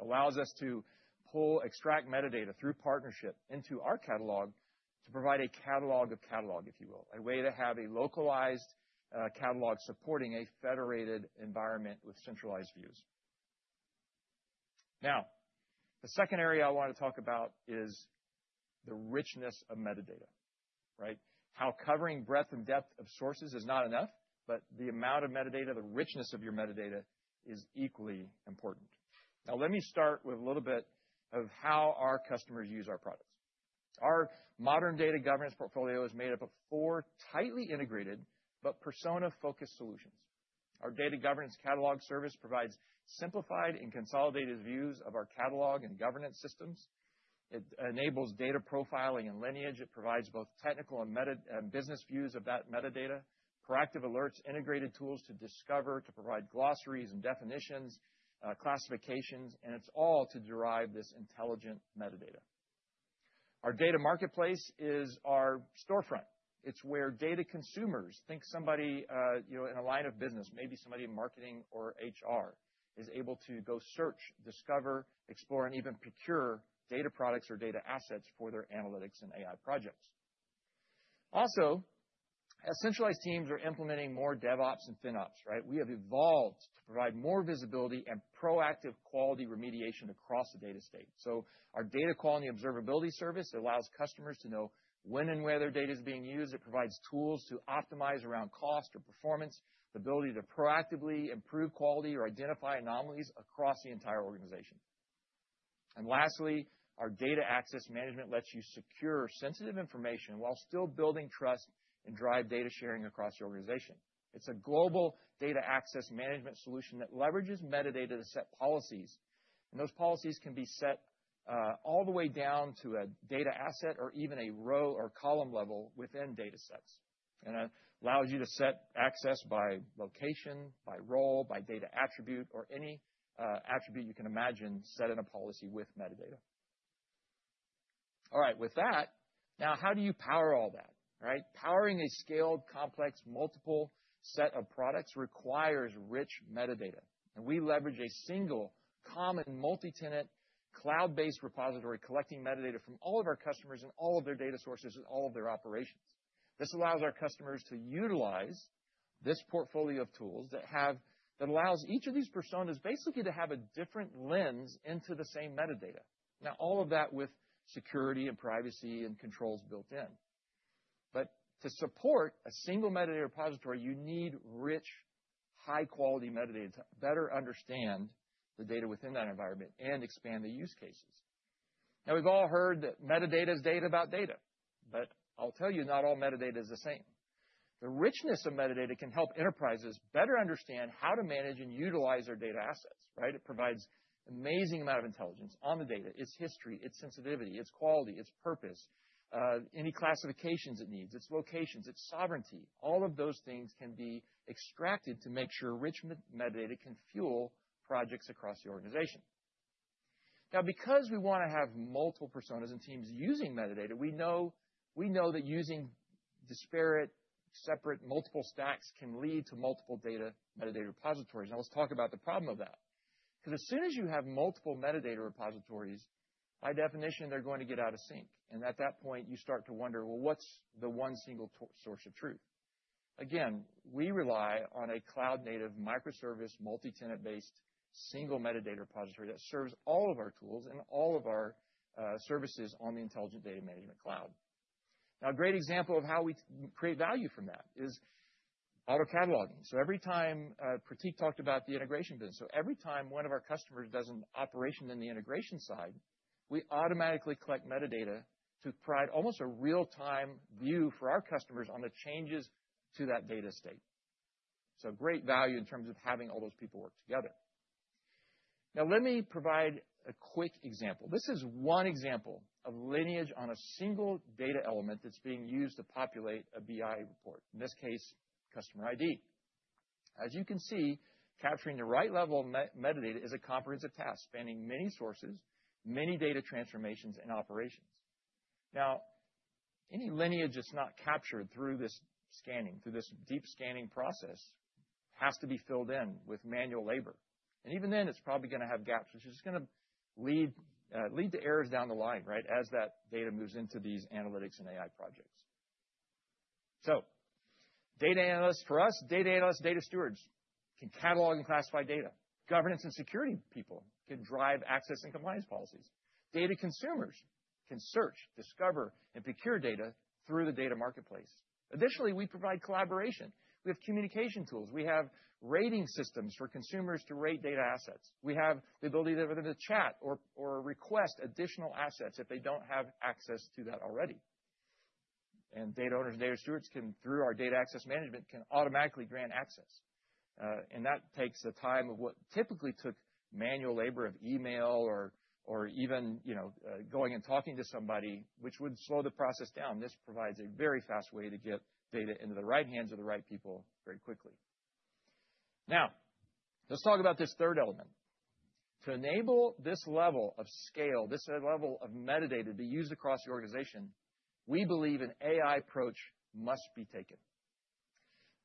S4: It allows us to pull, extract metadata through partnership into our catalog to provide a catalog of catalog, if you will, a way to have a localized catalog supporting a federated environment with centralized views. Now, the second area I want to talk about is the richness of metadata, right? How covering breadth and depth of sources is not enough, but the amount of metadata, the richness of your metadata is equally important. Now, let me start with a little bit of how our customers use our products. Our modern data governance portfolio is made up of four tightly integrated but persona-focused solutions. Our data governance catalog service provides simplified and consolidated views of our catalog and governance systems. It enables data profiling and lineage. It provides both technical and business views of that metadata, proactive alerts, integrated tools to discover, to provide glossaries and definitions, classifications, and it's all to derive this intelligent metadata. Our data marketplace is our storefront. It's where data consumers think somebody in a line of business, maybe somebody in marketing or HR, is able to go search, discover, explore, and even procure data products or data assets for their analytics and AI projects. Also, as centralized teams are implementing more DevOps and FinOps, right? We have evolved to provide more visibility and proactive quality remediation across the data state. So our data quality observability service allows customers to know when and where their data is being used. It provides tools to optimize around cost or performance, the ability to proactively improve quality or identify anomalies across the entire organization. And lastly, our data access management lets you secure sensitive information while still building trust and drive data sharing across the organization. It's a global data access management solution that leverages metadata to set policies. And those policies can be set all the way down to a data asset or even a row or column level within data sets. And it allows you to set access by location, by role, by data attribute, or any attribute you can imagine set in a policy with metadata. All right, with that, now how do you power all that, right? Powering a scaled, complex, multiple set of products requires rich metadata. And we leverage a single common multi-tenant cloud-based repository collecting metadata from all of our customers and all of their data sources and all of their operations. This allows our customers to utilize this portfolio of tools that allows each of these personas basically to have a different lens into the same metadata. Now, all of that with security and privacy and controls built in. But to support a single metadata repository, you need rich, high-quality metadata to better understand the data within that environment and expand the use cases. Now, we've all heard that metadata is data about data. But I'll tell you, not all metadata is the same. The richness of metadata can help enterprises better understand how to manage and utilize their data assets, right? It provides an amazing amount of intelligence on the data. It's history, it's sensitivity, it's quality, it's purpose, any classifications it needs, its locations, its sovereignty. All of those things can be extracted to make sure rich metadata can fuel projects across the organization. Now, because we want to have multiple personas and teams using metadata, we know that using disparate, separate, multiple stacks can lead to multiple data metadata repositories. Now, let's talk about the problem of that. Because as soon as you have multiple metadata repositories, by definition, they're going to get out of sync. And at that point, you start to wonder, well, what's the one single source of truth? Again, we rely on a cloud-native microservice, multi-tenant-based, single metadata repository that serves all of our tools and all of our services on the Intelligent Data Management Cloud. Now, a great example of how we create value from that is auto cataloging. Every time one of our customers does an operation in the integration side, we automatically collect metadata to provide almost a real-time view for our customers on the changes to that data state. Great value in terms of having all those people work together. Now, let me provide a quick example. This is one example of lineage on a single data element that's being used to populate a BI report, in this case, customer ID. As you can see, capturing the right level of metadata is a comprehensive task spanning many sources, many data transformations, and operations. Now, any lineage that's not captured through this scanning, through this deep scanning process, has to be filled in with manual labor. Even then, it's probably going to have gaps, which is going to lead to errors down the line, right, as that data moves into these analytics and AI projects. So data analysts for us, data stewards can catalog and classify data. Governance and security people can drive access and compliance policies. Data consumers can search, discover, and procure data through the data marketplace. Additionally, we provide collaboration. We have communication tools. We have rating systems for consumers to rate data assets. We have the ability for them to chat or request additional assets if they don't have access to that already. And data owners and data stewards can, through our data access management, automatically grant access. And that takes the time of what typically took manual labor of email or even going and talking to somebody, which would slow the process down. This provides a very fast way to get data into the right hands of the right people very quickly. Now, let's talk about this third element. To enable this level of scale, this level of metadata to be used across the organization, we believe an AI approach must be taken.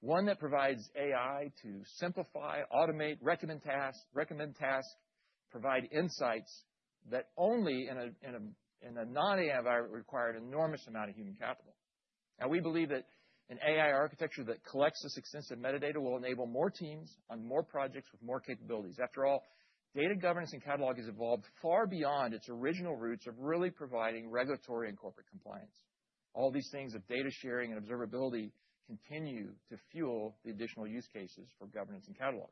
S4: One that provides AI to simplify, automate, recommend task, provide insights that only in a non-AI environment would require an enormous amount of human capital. Now, we believe that an AI architecture that collects this extensive metadata will enable more teams on more projects with more capabilities. After all, data governance and catalog has evolved far beyond its original roots of really providing regulatory and corporate compliance. All these things of data sharing and observability continue to fuel the additional use cases for governance and catalog.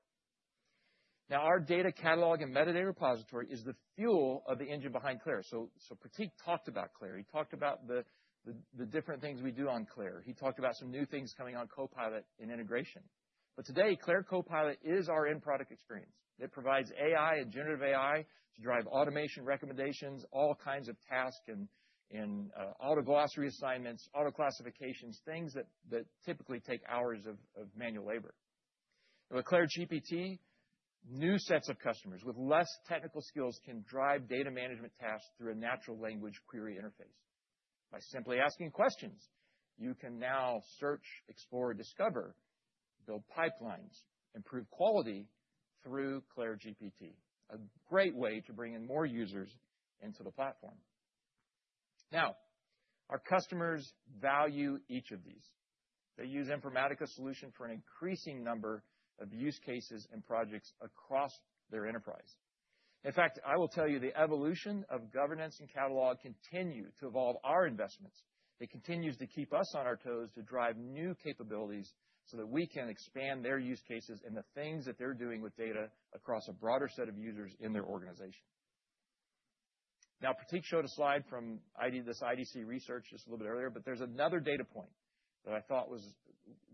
S4: Now, our data catalog and metadata repository is the fuel of the engine behind CLAIRE. Pratik talked about CLAIRE. He talked about the different things we do on CLAIRE. He talked about some new things coming on Copilot and integration. Today, CLAIRE Copilot is our end product experience. It provides AI and generative AI to drive automation recommendations, all kinds of tasks, and auto glossary assignments, auto classifications, things that typically take hours of manual labor. With CLAIRE GPT, new sets of customers with less technical skills can drive data management tasks through a natural language query interface. By simply asking questions, you can now search, explore, discover, build pipelines, improve quality through CLAIRE GPT. It is a great way to bring in more users into the platform. Our customers value each of these. They use Informatica's solution for an increasing number of use cases and projects across their enterprise. In fact, I will tell you the evolution of governance and catalog continues to evolve our investments. It continues to keep us on our toes to drive new capabilities so that we can expand their use cases and the things that they're doing with data across a broader set of users in their organization. Now, Pratik showed a slide from this IDC research just a little bit earlier, but there's another data point that I thought was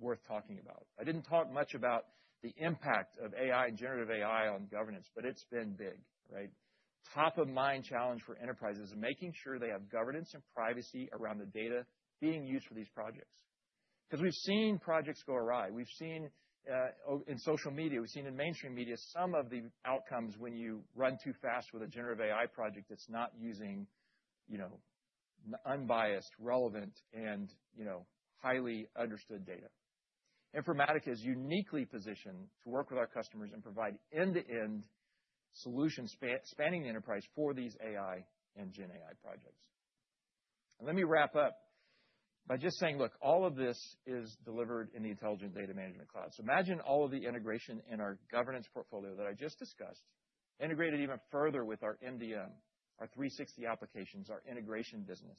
S4: worth talking about. I didn't talk much about the impact of AI and generative AI on governance, but it's been big, right? Top of mind challenge for enterprises is making sure they have governance and privacy around the data being used for these projects. Because we've seen projects go awry. We've seen in social media, we've seen in mainstream media, some of the outcomes when you run too fast with a generative AI project that's not using unbiased, relevant, and highly understood data. Informatica is uniquely positioned to work with our customers and provide end-to-end solutions spanning the enterprise for these AI and GenAI projects. And let me wrap up by just saying, look, all of this is delivered in the Intelligent Data Management Cloud. So imagine all of the integration in our governance portfolio that I just discussed, integrated even further with our MDM, our 360 applications, our integration business.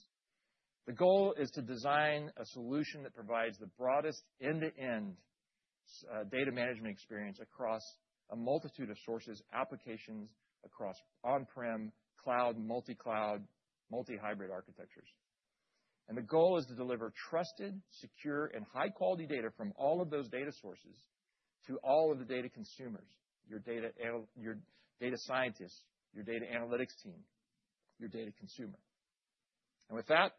S4: The goal is to design a solution that provides the broadest end-to-end data management experience across a multitude of sources, applications across on-prem, cloud, multi-cloud, multi-hybrid architectures. The goal is to deliver trusted, secure, and high-quality data from all of those data sources to all of the data consumers, your data scientists, your data analytics team, your data consumer. With that,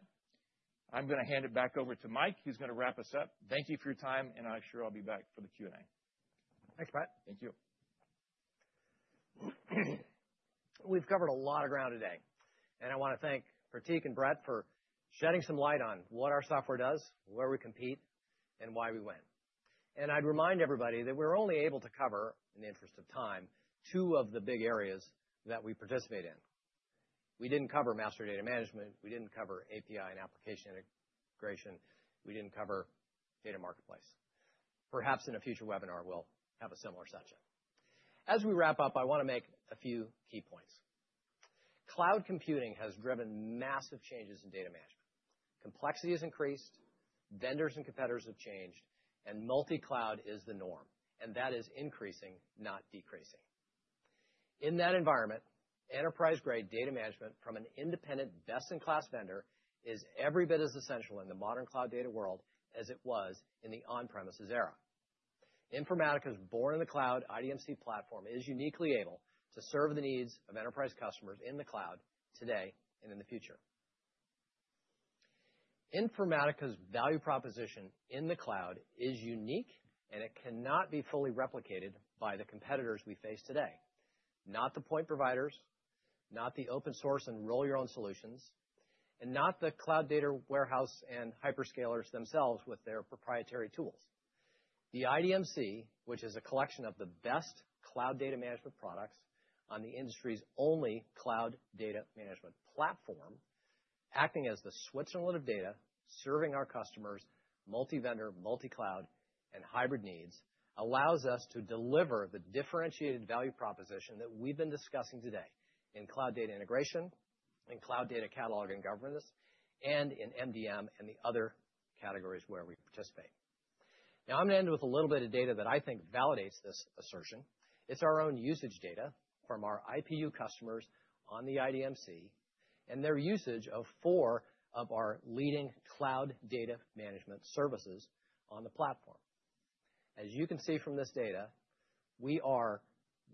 S4: I'm going to hand it back over to Mike, who's going to wrap us up. Thank you for your time, and I'm sure I'll be back for the Q&A.
S2: Thanks, Brett.
S4: Thank you.
S2: We've covered a lot of ground today, and I want to thank Pratik and Brett for shedding some light on what our software does, where we compete, and why we win, and I'd remind everybody that we're only able to cover, in the interest of time, two of the big areas that we participate in. We didn't cover master data management. We didn't cover API and application integration. We didn't cover data marketplace. Perhaps in a future webinar, we'll have a similar session. As we wrap up, I want to make a few key points. Cloud computing has driven massive changes in data management. Complexity has increased, vendors and competitors have changed, and multi-cloud is the norm, and that is increasing, not decreasing. In that environment, enterprise-grade data management from an independent, best-in-class vendor is every bit as essential in the modern cloud data world as it was in the on-premises era. Informatica's born-in-the-cloud IDMC platform is uniquely able to serve the needs of enterprise customers in the cloud today and in the future. Informatica's value proposition in the cloud is unique, and it cannot be fully replicated by the competitors we face today. Not the point providers, not the open-source and roll-your-own solutions, and not the cloud data warehouse and hyperscalers themselves with their proprietary tools. The IDMC, which is a collection of the best cloud data management products on the industry's only cloud data management platform, acting as the switch and load of data serving our customers' multi-vendor, multi-cloud, and hybrid needs, allows us to deliver the differentiated value proposition that we've been discussing today in cloud data integration, in cloud data catalog and governance, and in MDM and the other categories where we participate. Now, I'm going to end with a little bit of data that I think validates this assertion. It's our own usage data from our IPU customers on the IDMC and their usage of four of our leading cloud data management services on the platform. As you can see from this data, we are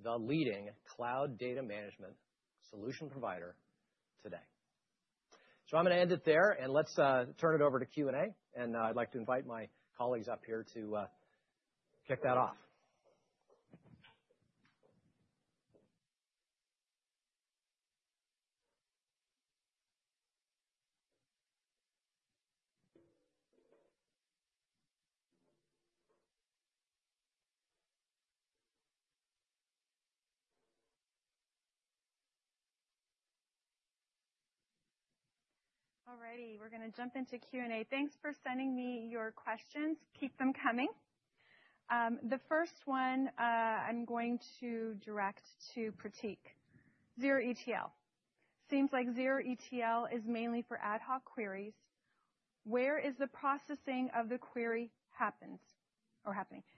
S2: the leading cloud data management solution provider today. So I'm going to end it there, and let's turn it over to Q&A. I'd like to invite my colleagues up here to kick that off.
S1: All righty. We're going to jump into Q&A. Thanks for sending me your questions. Keep them coming. The first one I'm going to direct to Pratik. Zero-ETL. Seems like Zero-ETL is mainly for ad hoc queries. Where is the processing of the query happening?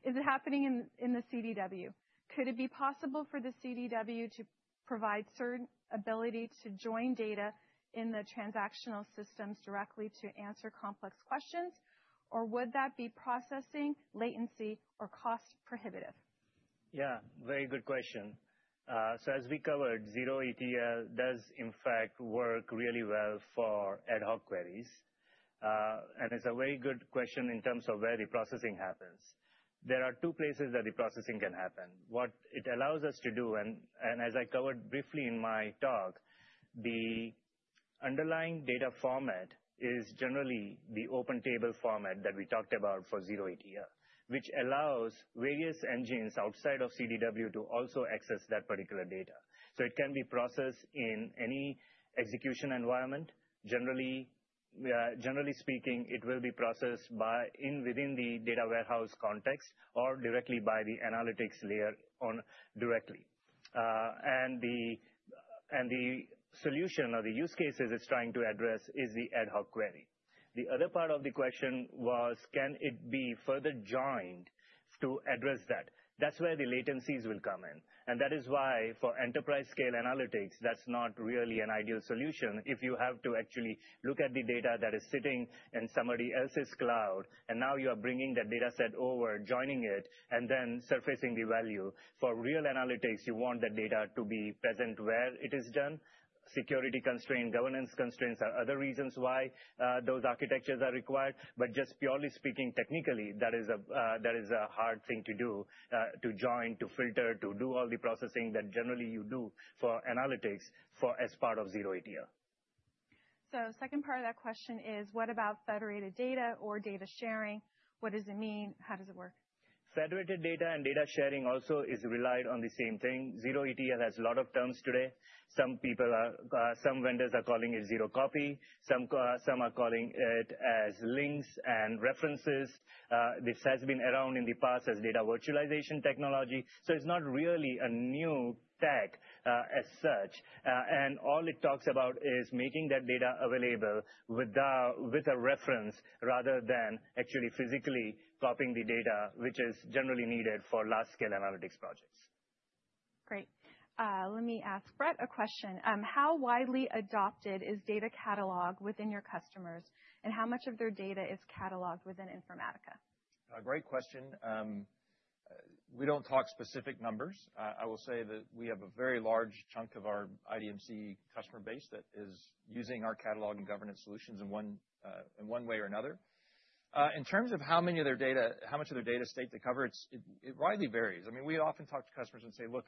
S1: Is it happening in the CDW? Could it be possible for the CDW to provide certain ability to join data in the transactional systems directly to answer complex questions? Or would that be processing, latency, or cost prohibitive?
S3: Yeah, very good question. So as we covered, Zero-ETL does, in fact, work really well for ad hoc queries. And it's a very good question in terms of where the processing happens. There are two places that the processing can happen. What it allows us to do, and as I covered briefly in my talk, the underlying data format is generally the open table format that we talked about for Zero-ETL, which allows various engines outside of CDW to also access that particular data. So it can be processed in any execution environment. Generally speaking, it will be processed within the data warehouse context or directly by the analytics layer directly. And the solution or the use cases it's trying to address is the ad hoc query. The other part of the question was, can it be further joined to address that? That's where the latencies will come in. And that is why, for enterprise-scale analytics, that's not really an ideal solution if you have to actually look at the data that is sitting in somebody else's cloud, and now you are bringing that data set over, joining it, and then surfacing the value. For real analytics, you want that data to be present where it is done. Security constraints, governance constraints are other reasons why those architectures are required. But just purely speaking technically, that is a hard thing to do, to join, to filter, to do all the processing that generally you do for analytics as part of Zero-ETL.
S1: So the second part of that question is, what about federated data or data sharing? What does it mean? How does it work?
S3: Federated data and data sharing also is relied on the same thing. Zero-ETL has a lot of terms today. Some vendors are calling it zero copy. Some are calling it as links and references. This has been around in the past as data virtualization technology. So it's not really a new tech as such. And all it talks about is making that data available with a reference rather than actually physically copying the data, which is generally needed for large-scale analytics projects.
S1: Great. Let me ask Brett a question. How widely adopted is data catalog within your customers, and how much of their data is cataloged within Informatica?
S4: Great question. We don't talk specific numbers. I will say that we have a very large chunk of our IDMC customer base that is using our catalog and governance solutions in one way or another. In terms of how many of their data, how much of their data estate they cover, it widely varies. I mean, we often talk to customers and say, look,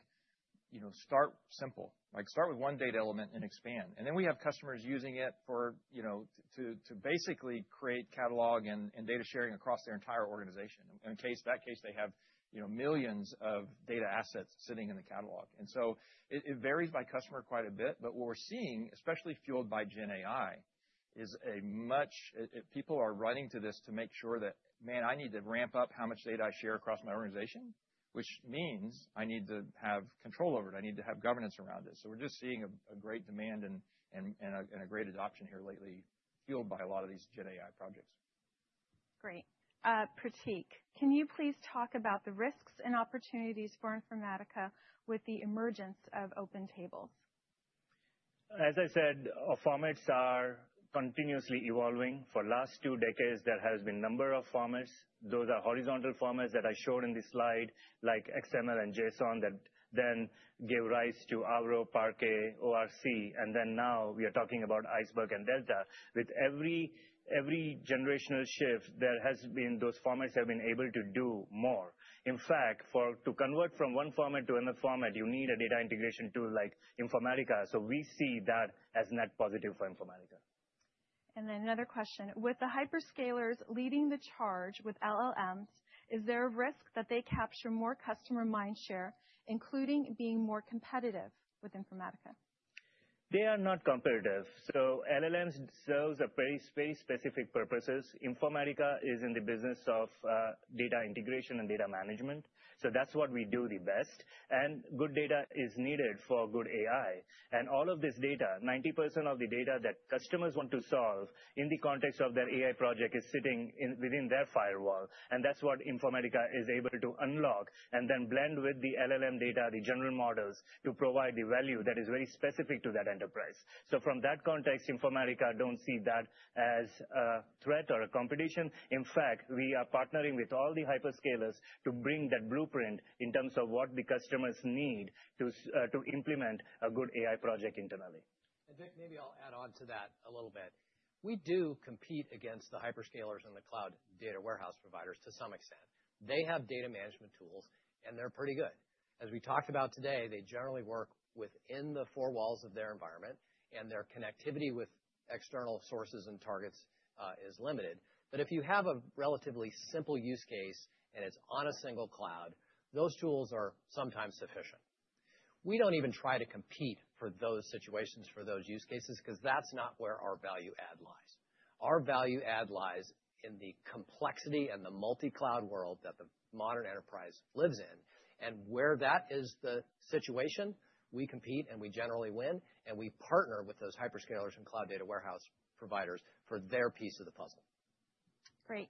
S4: start simple. Start with one data element and expand. And then we have customers using it to basically create catalog and data sharing across their entire organization. In that case, they have millions of data assets sitting in the catalog. And so it varies by customer quite a bit. But what we're seeing, especially fueled by GenAI, is that many people are running to this to make sure that, man, I need to ramp up how much data I share across my organization, which means I need to have control over it. I need to have governance around it. So we're just seeing a great demand and a great adoption here lately, fueled by a lot of these GenAI projects.
S1: Great. Pratik, can you please talk about the risks and opportunities for Informatica with the emergence of open tables?
S3: As I said, formats are continuously evolving. For the last two decades, there has been a number of formats. Those are horizontal formats that I showed in this slide, like XML and JSON, that then gave rise to Avro, Parquet, ORC. And then now we are talking about Iceberg and Delta. With every generational shift, those formats have been able to do more. In fact, to convert from one format to another format, you need a data integration tool like Informatica. So we see that as net positive for Informatica.
S1: Then another question. With the hyperscalers leading the charge with LLMs, is there a risk that they capture more customer mind share, including being more competitive with Informatica?
S3: They are not competitive, so LLMs serve very specific purposes. Informatica is in the business of data integration and data management, so that's what we do the best. And good data is needed for good AI. And all of this data, 90% of the data that customers want to solve in the context of their AI project, is sitting within their firewall. And that's what Informatica is able to unlock and then blend with the LLM data, the general models, to provide the value that is very specific to that enterprise, so from that context, Informatica don't see that as a threat or a competition. In fact, we are partnering with all the hyperscalers to bring that blueprint in terms of what the customers need to implement a good AI project internally.
S2: And Vic, maybe I'll add on to that a little bit. We do compete against the hyperscalers and the cloud data warehouse providers to some extent. They have data management tools, and they're pretty good. As we talked about today, they generally work within the four walls of their environment, and their connectivity with external sources and targets is limited. But if you have a relatively simple use case and it's on a single cloud, those tools are sometimes sufficient. We don't even try to compete for those situations, for those use cases, because that's not where our value add lies. Our value add lies in the complexity and the multi-cloud world that the modern enterprise lives in. And where that is the situation, we compete, and we generally win. And we partner with those hyperscalers and cloud data warehouse providers for their piece of the puzzle.
S1: Great.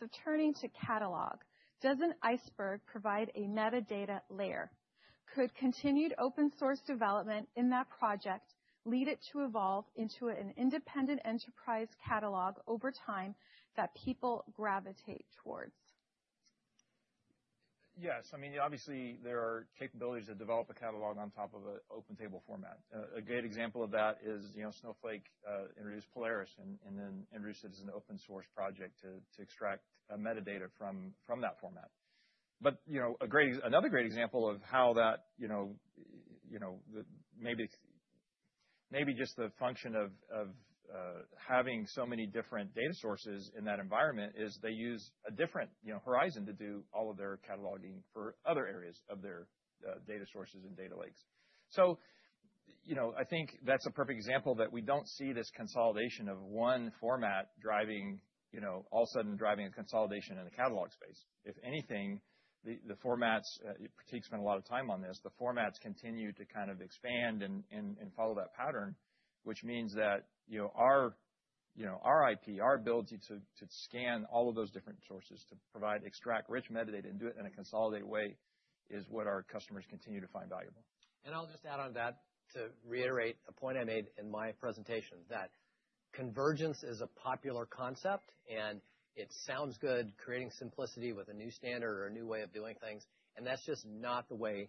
S1: So turning to catalog, does Apache Iceberg provide a metadata layer? Could continued open-source development in that project lead it to evolve into an independent enterprise catalog over time that people gravitate towards?
S4: Yes. I mean, obviously, there are capabilities to develop a catalog on top of an open table format. A great example of that is Snowflake introduced Polaris and then introduced it as an open-source project to extract metadata from that format. But another great example of how that maybe just the function of having so many different data sources in that environment is they use a different horizon to do all of their cataloging for other areas of their data sources and data lakes. So I think that's a perfect example that we don't see this consolidation of one format all of a sudden driving a consolidation in the catalog space. If anything, the formats. Pratik spent a lot of time on this. The formats continue to kind of expand and follow that pattern, which means that our IP, our ability to scan all of those different sources to extract rich metadata and do it in a consolidated way is what our customers continue to find valuable.
S2: I'll just add on that to reiterate a point I made in my presentation, that convergence is a popular concept, and it sounds good creating simplicity with a new standard or a new way of doing things. That's just not the way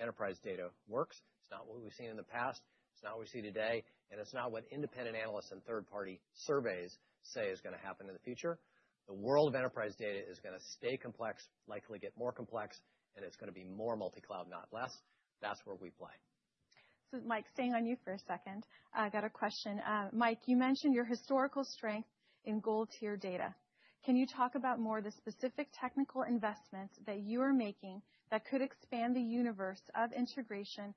S2: enterprise data works. It's not what we've seen in the past. It's not what we see today. It's not what independent analysts and third-party surveys say is going to happen in the future. The world of enterprise data is going to stay complex, likely get more complex, and it's going to be more multi-cloud, not less. That's where we play.
S1: So Mike, staying on you for a second, I got a question. Mike, you mentioned your historical strength in gold-tier data. Can you talk about more of the specific technical investments that you are making that could expand the universe of integration and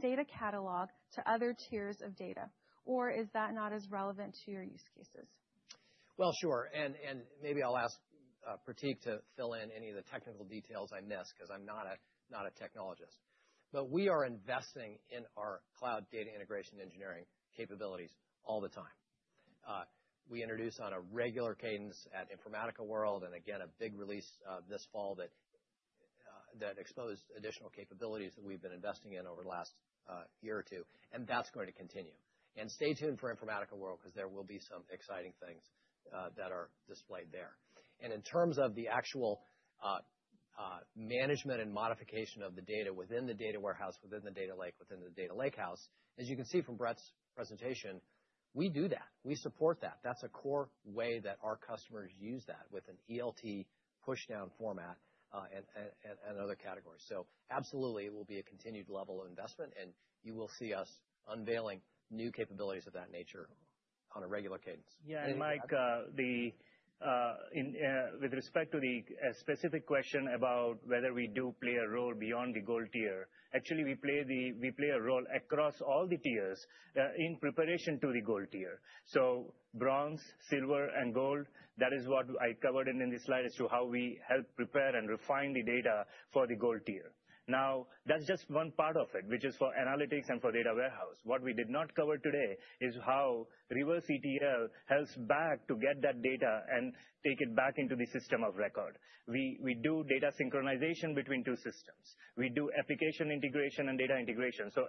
S1: data catalog to other tiers of data? Or is that not as relevant to your use cases?
S2: Sure. Maybe I'll ask Pratik to fill in any of the technical details I miss because I'm not a technologist. We are investing in our cloud data integration engineering capabilities all the time. We introduce on a regular cadence at Informatica World and, again, a big release this fall that exposed additional capabilities that we've been investing in over the last year or two. That's going to continue. Stay tuned for Informatica World because there will be some exciting things that are displayed there. In terms of the actual management and modification of the data within the data warehouse, within the data lake, within the data lakehouse, as you can see from Brett's presentation, we do that. We support that. That's a core way that our customers use that with an ELT push-down format and other categories. Absolutely, it will be a continued level of investment, and you will see us unveiling new capabilities of that nature on a regular cadence.
S3: Yeah. And Mike, with respect to the specific question about whether we do play a role beyond the gold tier, actually, we play a role across all the tiers in preparation to the gold tier. So bronze, silver, and gold, that is what I covered in this slide as to how we help prepare and refine the data for the gold tier. Now, that's just one part of it, which is for analytics and for data warehouse. What we did not cover today is how reverse ETL helps to get that data back and take it back into the system of record. We do data synchronization between two systems. We do application integration and data integration. So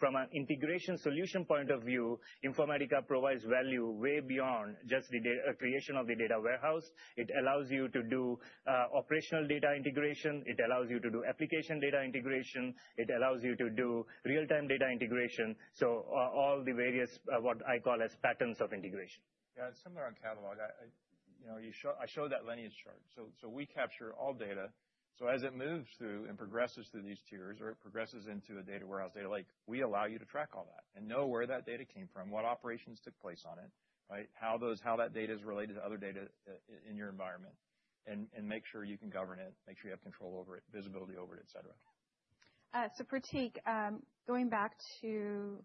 S3: from an integration solution point of view, Informatica provides value way beyond just the creation of the data warehouse. It allows you to do operational data integration. It allows you to do application data integration. It allows you to do real-time data integration. So all the various what I call as patterns of integration.
S2: Yeah. And similar on catalog, I showed that Lenny's chart. So we capture all data. So as it moves through and progresses through these tiers or it progresses into a data warehouse, data lake, we allow you to track all that and know where that data came from, what operations took place on it, how that data is related to other data in your environment, and make sure you can govern it, make sure you have control over it, visibility over it, et cetera.
S1: So Pratik, going back to tables,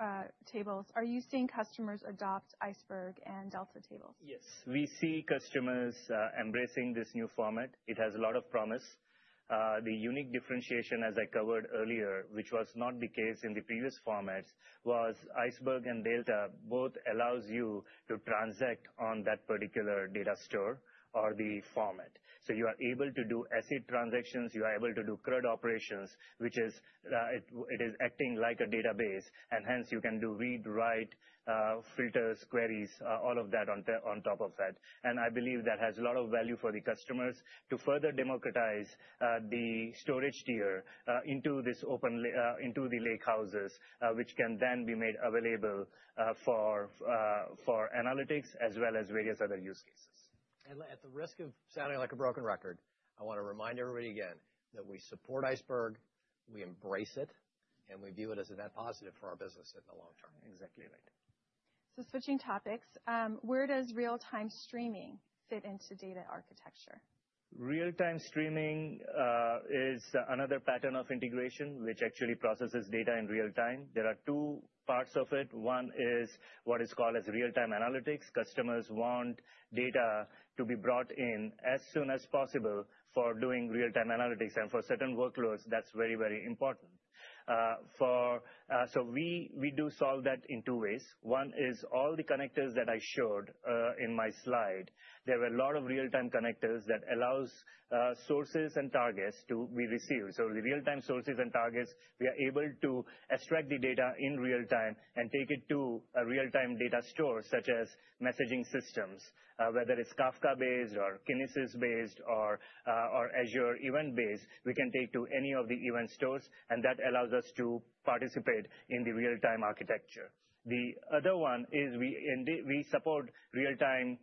S1: are you seeing customers adopt Iceberg and Delta tables?
S3: Yes. We see customers embracing this new format. It has a lot of promise. The unique differentiation, as I covered earlier, which was not the case in the previous formats, was Iceberg and Delta both allow you to transact on that particular data store or the format. So you are able to do ACID transactions. You are able to do CRUD operations, which is acting like a database. And hence, you can do read, write, filters, queries, all of that on top of that. And I believe that has a lot of value for the customers to further democratize the storage tier into the lakehouses, which can then be made available for analytics as well as various other use cases.
S2: At the risk of sounding like a broken record, I want to remind everybody again that we support Iceberg. We embrace it, and we view it as a net positive for our business in the long term.
S3: Exactly right.
S1: So switching topics, where does real-time streaming fit into data architecture?
S3: Real-time streaming is another pattern of integration, which actually processes data in real time. There are two parts of it. One is what is called real-time analytics. Customers want data to be brought in as soon as possible for doing real-time analytics, and for certain workloads, that's very, very important, so we do solve that in two ways. One is all the connectors that I showed in my slide. There were a lot of real-time connectors that allow sources and targets to be received, so the real-time sources and targets, we are able to extract the data in real time and take it to a real-time data store, such as messaging systems, whether it's Kafka-based or Kinesis-based or Azure event-based. We can take to any of the event stores, and that allows us to participate in the real-time architecture. The other one is we support real-time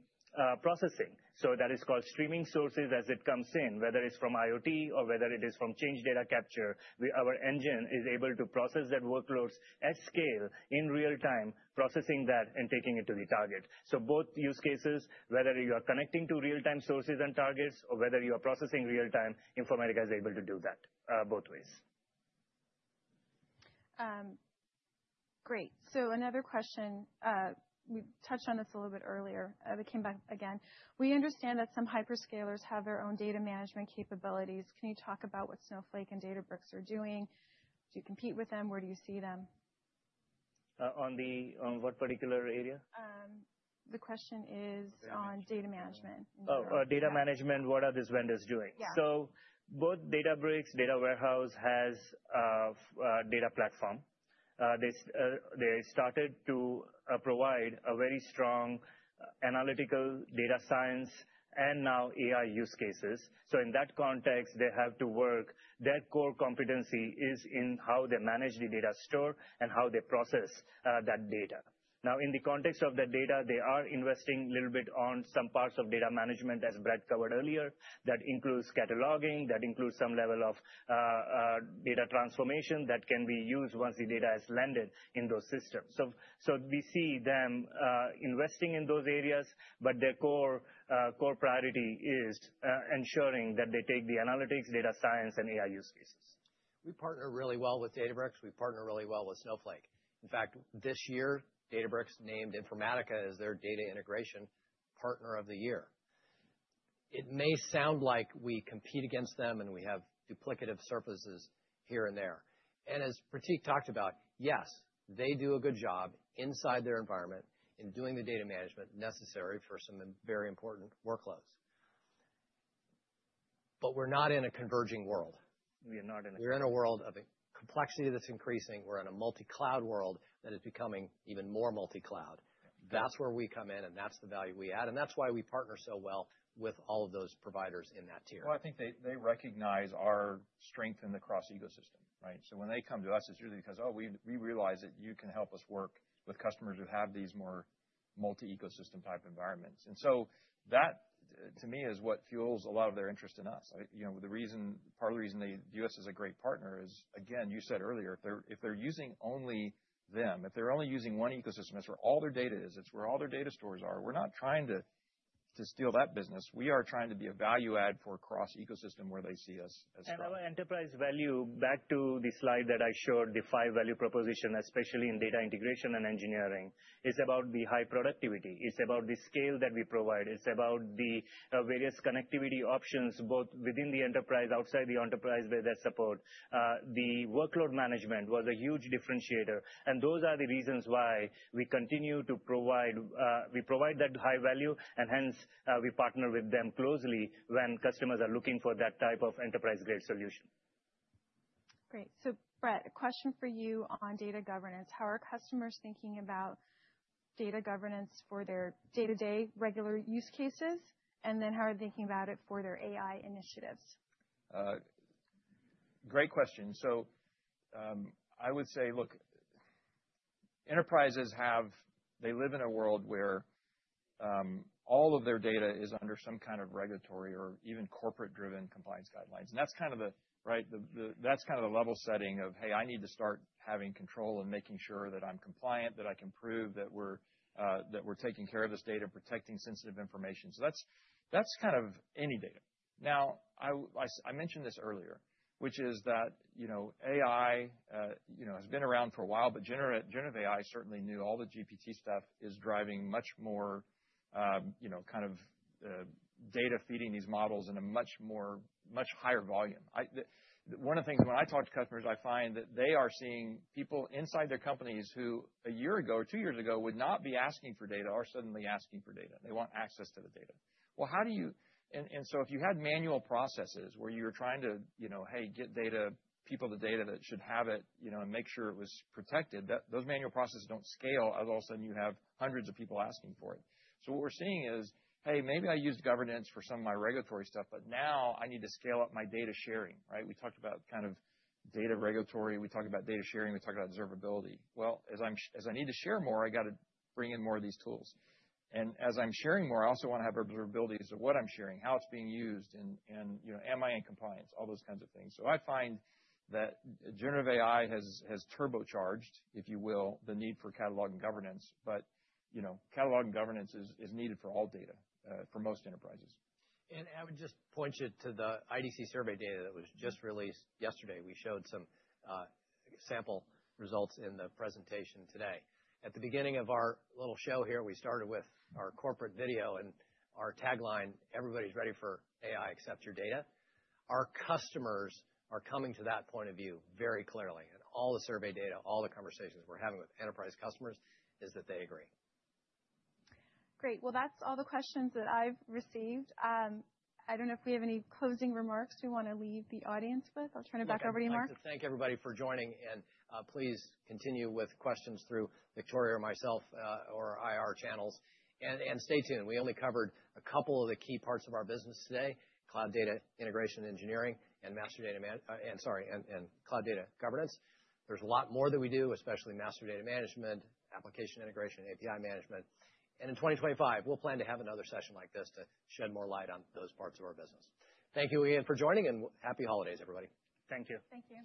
S3: processing. So that is called streaming sources as it comes in, whether it's from IoT or whether it is from change data capture. Our engine is able to process that workloads at scale in real time, processing that and taking it to the target. So both use cases, whether you are connecting to real-time sources and targets or whether you are processing real time, Informatica is able to do that both ways.
S1: Great. So another question. We touched on this a little bit earlier. It came back again. We understand that some hyperscalers have their own data management capabilities. Can you talk about what Snowflake and Databricks are doing? Do you compete with them? Where do you see them?
S3: On what particular area?
S1: The question is on data management.
S3: Oh, data management, what are these vendors doing?
S1: Yeah.
S3: So both Databricks, Data Warehouse has a data platform. They started to provide a very strong analytical data science and now AI use cases. So in that context, they have to work. Their core competency is in how they manage the data store and how they process that data. Now, in the context of the data, they are investing a little bit on some parts of data management, as Brett covered earlier. That includes cataloging. That includes some level of data transformation that can be used once the data is landed in those systems. So we see them investing in those areas, but their core priority is ensuring that they take the analytics, data science, and AI use cases.
S2: We partner really well with Databricks. We partner really well with Snowflake. In fact, this year, Databricks named Informatica as their data integration partner of the year. It may sound like we compete against them and we have duplicative surfaces here and there. And as Pratik talked about, yes, they do a good job inside their environment in doing the data management necessary for some very important workloads, but we're not in a converging world.
S4: We are not in a converging.
S2: We're in a world of complexity that's increasing. We're in a multi-cloud world that is becoming even more multi-cloud. That's where we come in, and that's the value we add. And that's why we partner so well with all of those providers in that tier.
S4: I think they recognize our strength in the cross-ecosystem, right? So when they come to us, it's usually because, oh, we realize that you can help us work with customers who have these more multi-ecosystem type environments. And so that, to me, is what fuels a lot of their interest in us. Part of the reason AWS is a great partner is, again, you said earlier, if they're using only them, if they're only using one ecosystem, it's where all their data is. It's where all their data stores are. We're not trying to steal that business. We are trying to be a value add for cross-ecosystem where they see us as well.
S3: Our enterprise value, back to the slide that I showed, the five-value proposition, especially in data integration and engineering, is about the high productivity. It's about the scale that we provide. It's about the various connectivity options both within the enterprise, outside the enterprise where they support. The workload management was a huge differentiator. And those are the reasons why we continue to provide that high value. And hence, we partner with them closely when customers are looking for that type of enterprise-grade solution.
S1: Great. So Brett, a question for you on data governance. How are customers thinking about data governance for their day-to-day regular use cases? And then how are they thinking about it for their AI initiatives?
S4: Great question. So I would say, look, enterprises, they live in a world where all of their data is under some kind of regulatory or even corporate-driven compliance guidelines. And that's kind of the level setting of, hey, I need to start having control and making sure that I'm compliant, that I can prove that we're taking care of this data and protecting sensitive information. So that's kind of any data. Now, I mentioned this earlier, which is that AI has been around for a while, but generative AI, certainly, the new GPT stuff is driving much more kind of data feeding these models in a much higher volume. One of the things when I talk to customers, I find that they are seeing people inside their companies who, a year ago or two years ago, would not be asking for data or suddenly asking for data. They want access to the data, well, how do you, and so if you had manual processes where you were trying to, hey, get people the data that should have it and make sure it was protected, those manual processes don't scale as all of a sudden you have hundreds of people asking for it, so what we're seeing is, hey, maybe I used governance for some of my regulatory stuff, but now I need to scale up my data sharing, right? We talked about kind of data regulatory. We talked about data sharing. We talked about observability, well, as I need to share more, I got to bring in more of these tools, and as I'm sharing more, I also want to have observability as to what I'm sharing, how it's being used, and am I in compliance, all those kinds of things. So I find that generative AI has turbocharged, if you will, the need for catalog and governance. But catalog and governance is needed for all data for most enterprises. And I would just point you to the IDC survey data that was just released yesterday. We showed some sample results in the presentation today. At the beginning of our little show here, we started with our corporate video and our tagline, "Everybody's ready for AI, except your data." Our customers are coming to that point of view very clearly. And all the survey data, all the conversations we're having with enterprise customers is that they agree.
S1: Great. Well, that's all the questions that I've received. I don't know if we have any closing remarks we want to leave the audience with. I'll turn it back over to you, Mike.
S2: I'd like to thank everybody for joining. And please continue with questions through Victoria or myself or IR channels. And stay tuned. We only covered a couple of the key parts of our business today: cloud data integration engineering and master data and sorry, and cloud data governance. There's a lot more that we do, especially master data management, application integration, API management. And in 2025, we'll plan to have another session like this to shed more light on those parts of our business. Thank you again for joining, and happy holidays, everybody.
S3: Thank you.
S1: Thank you.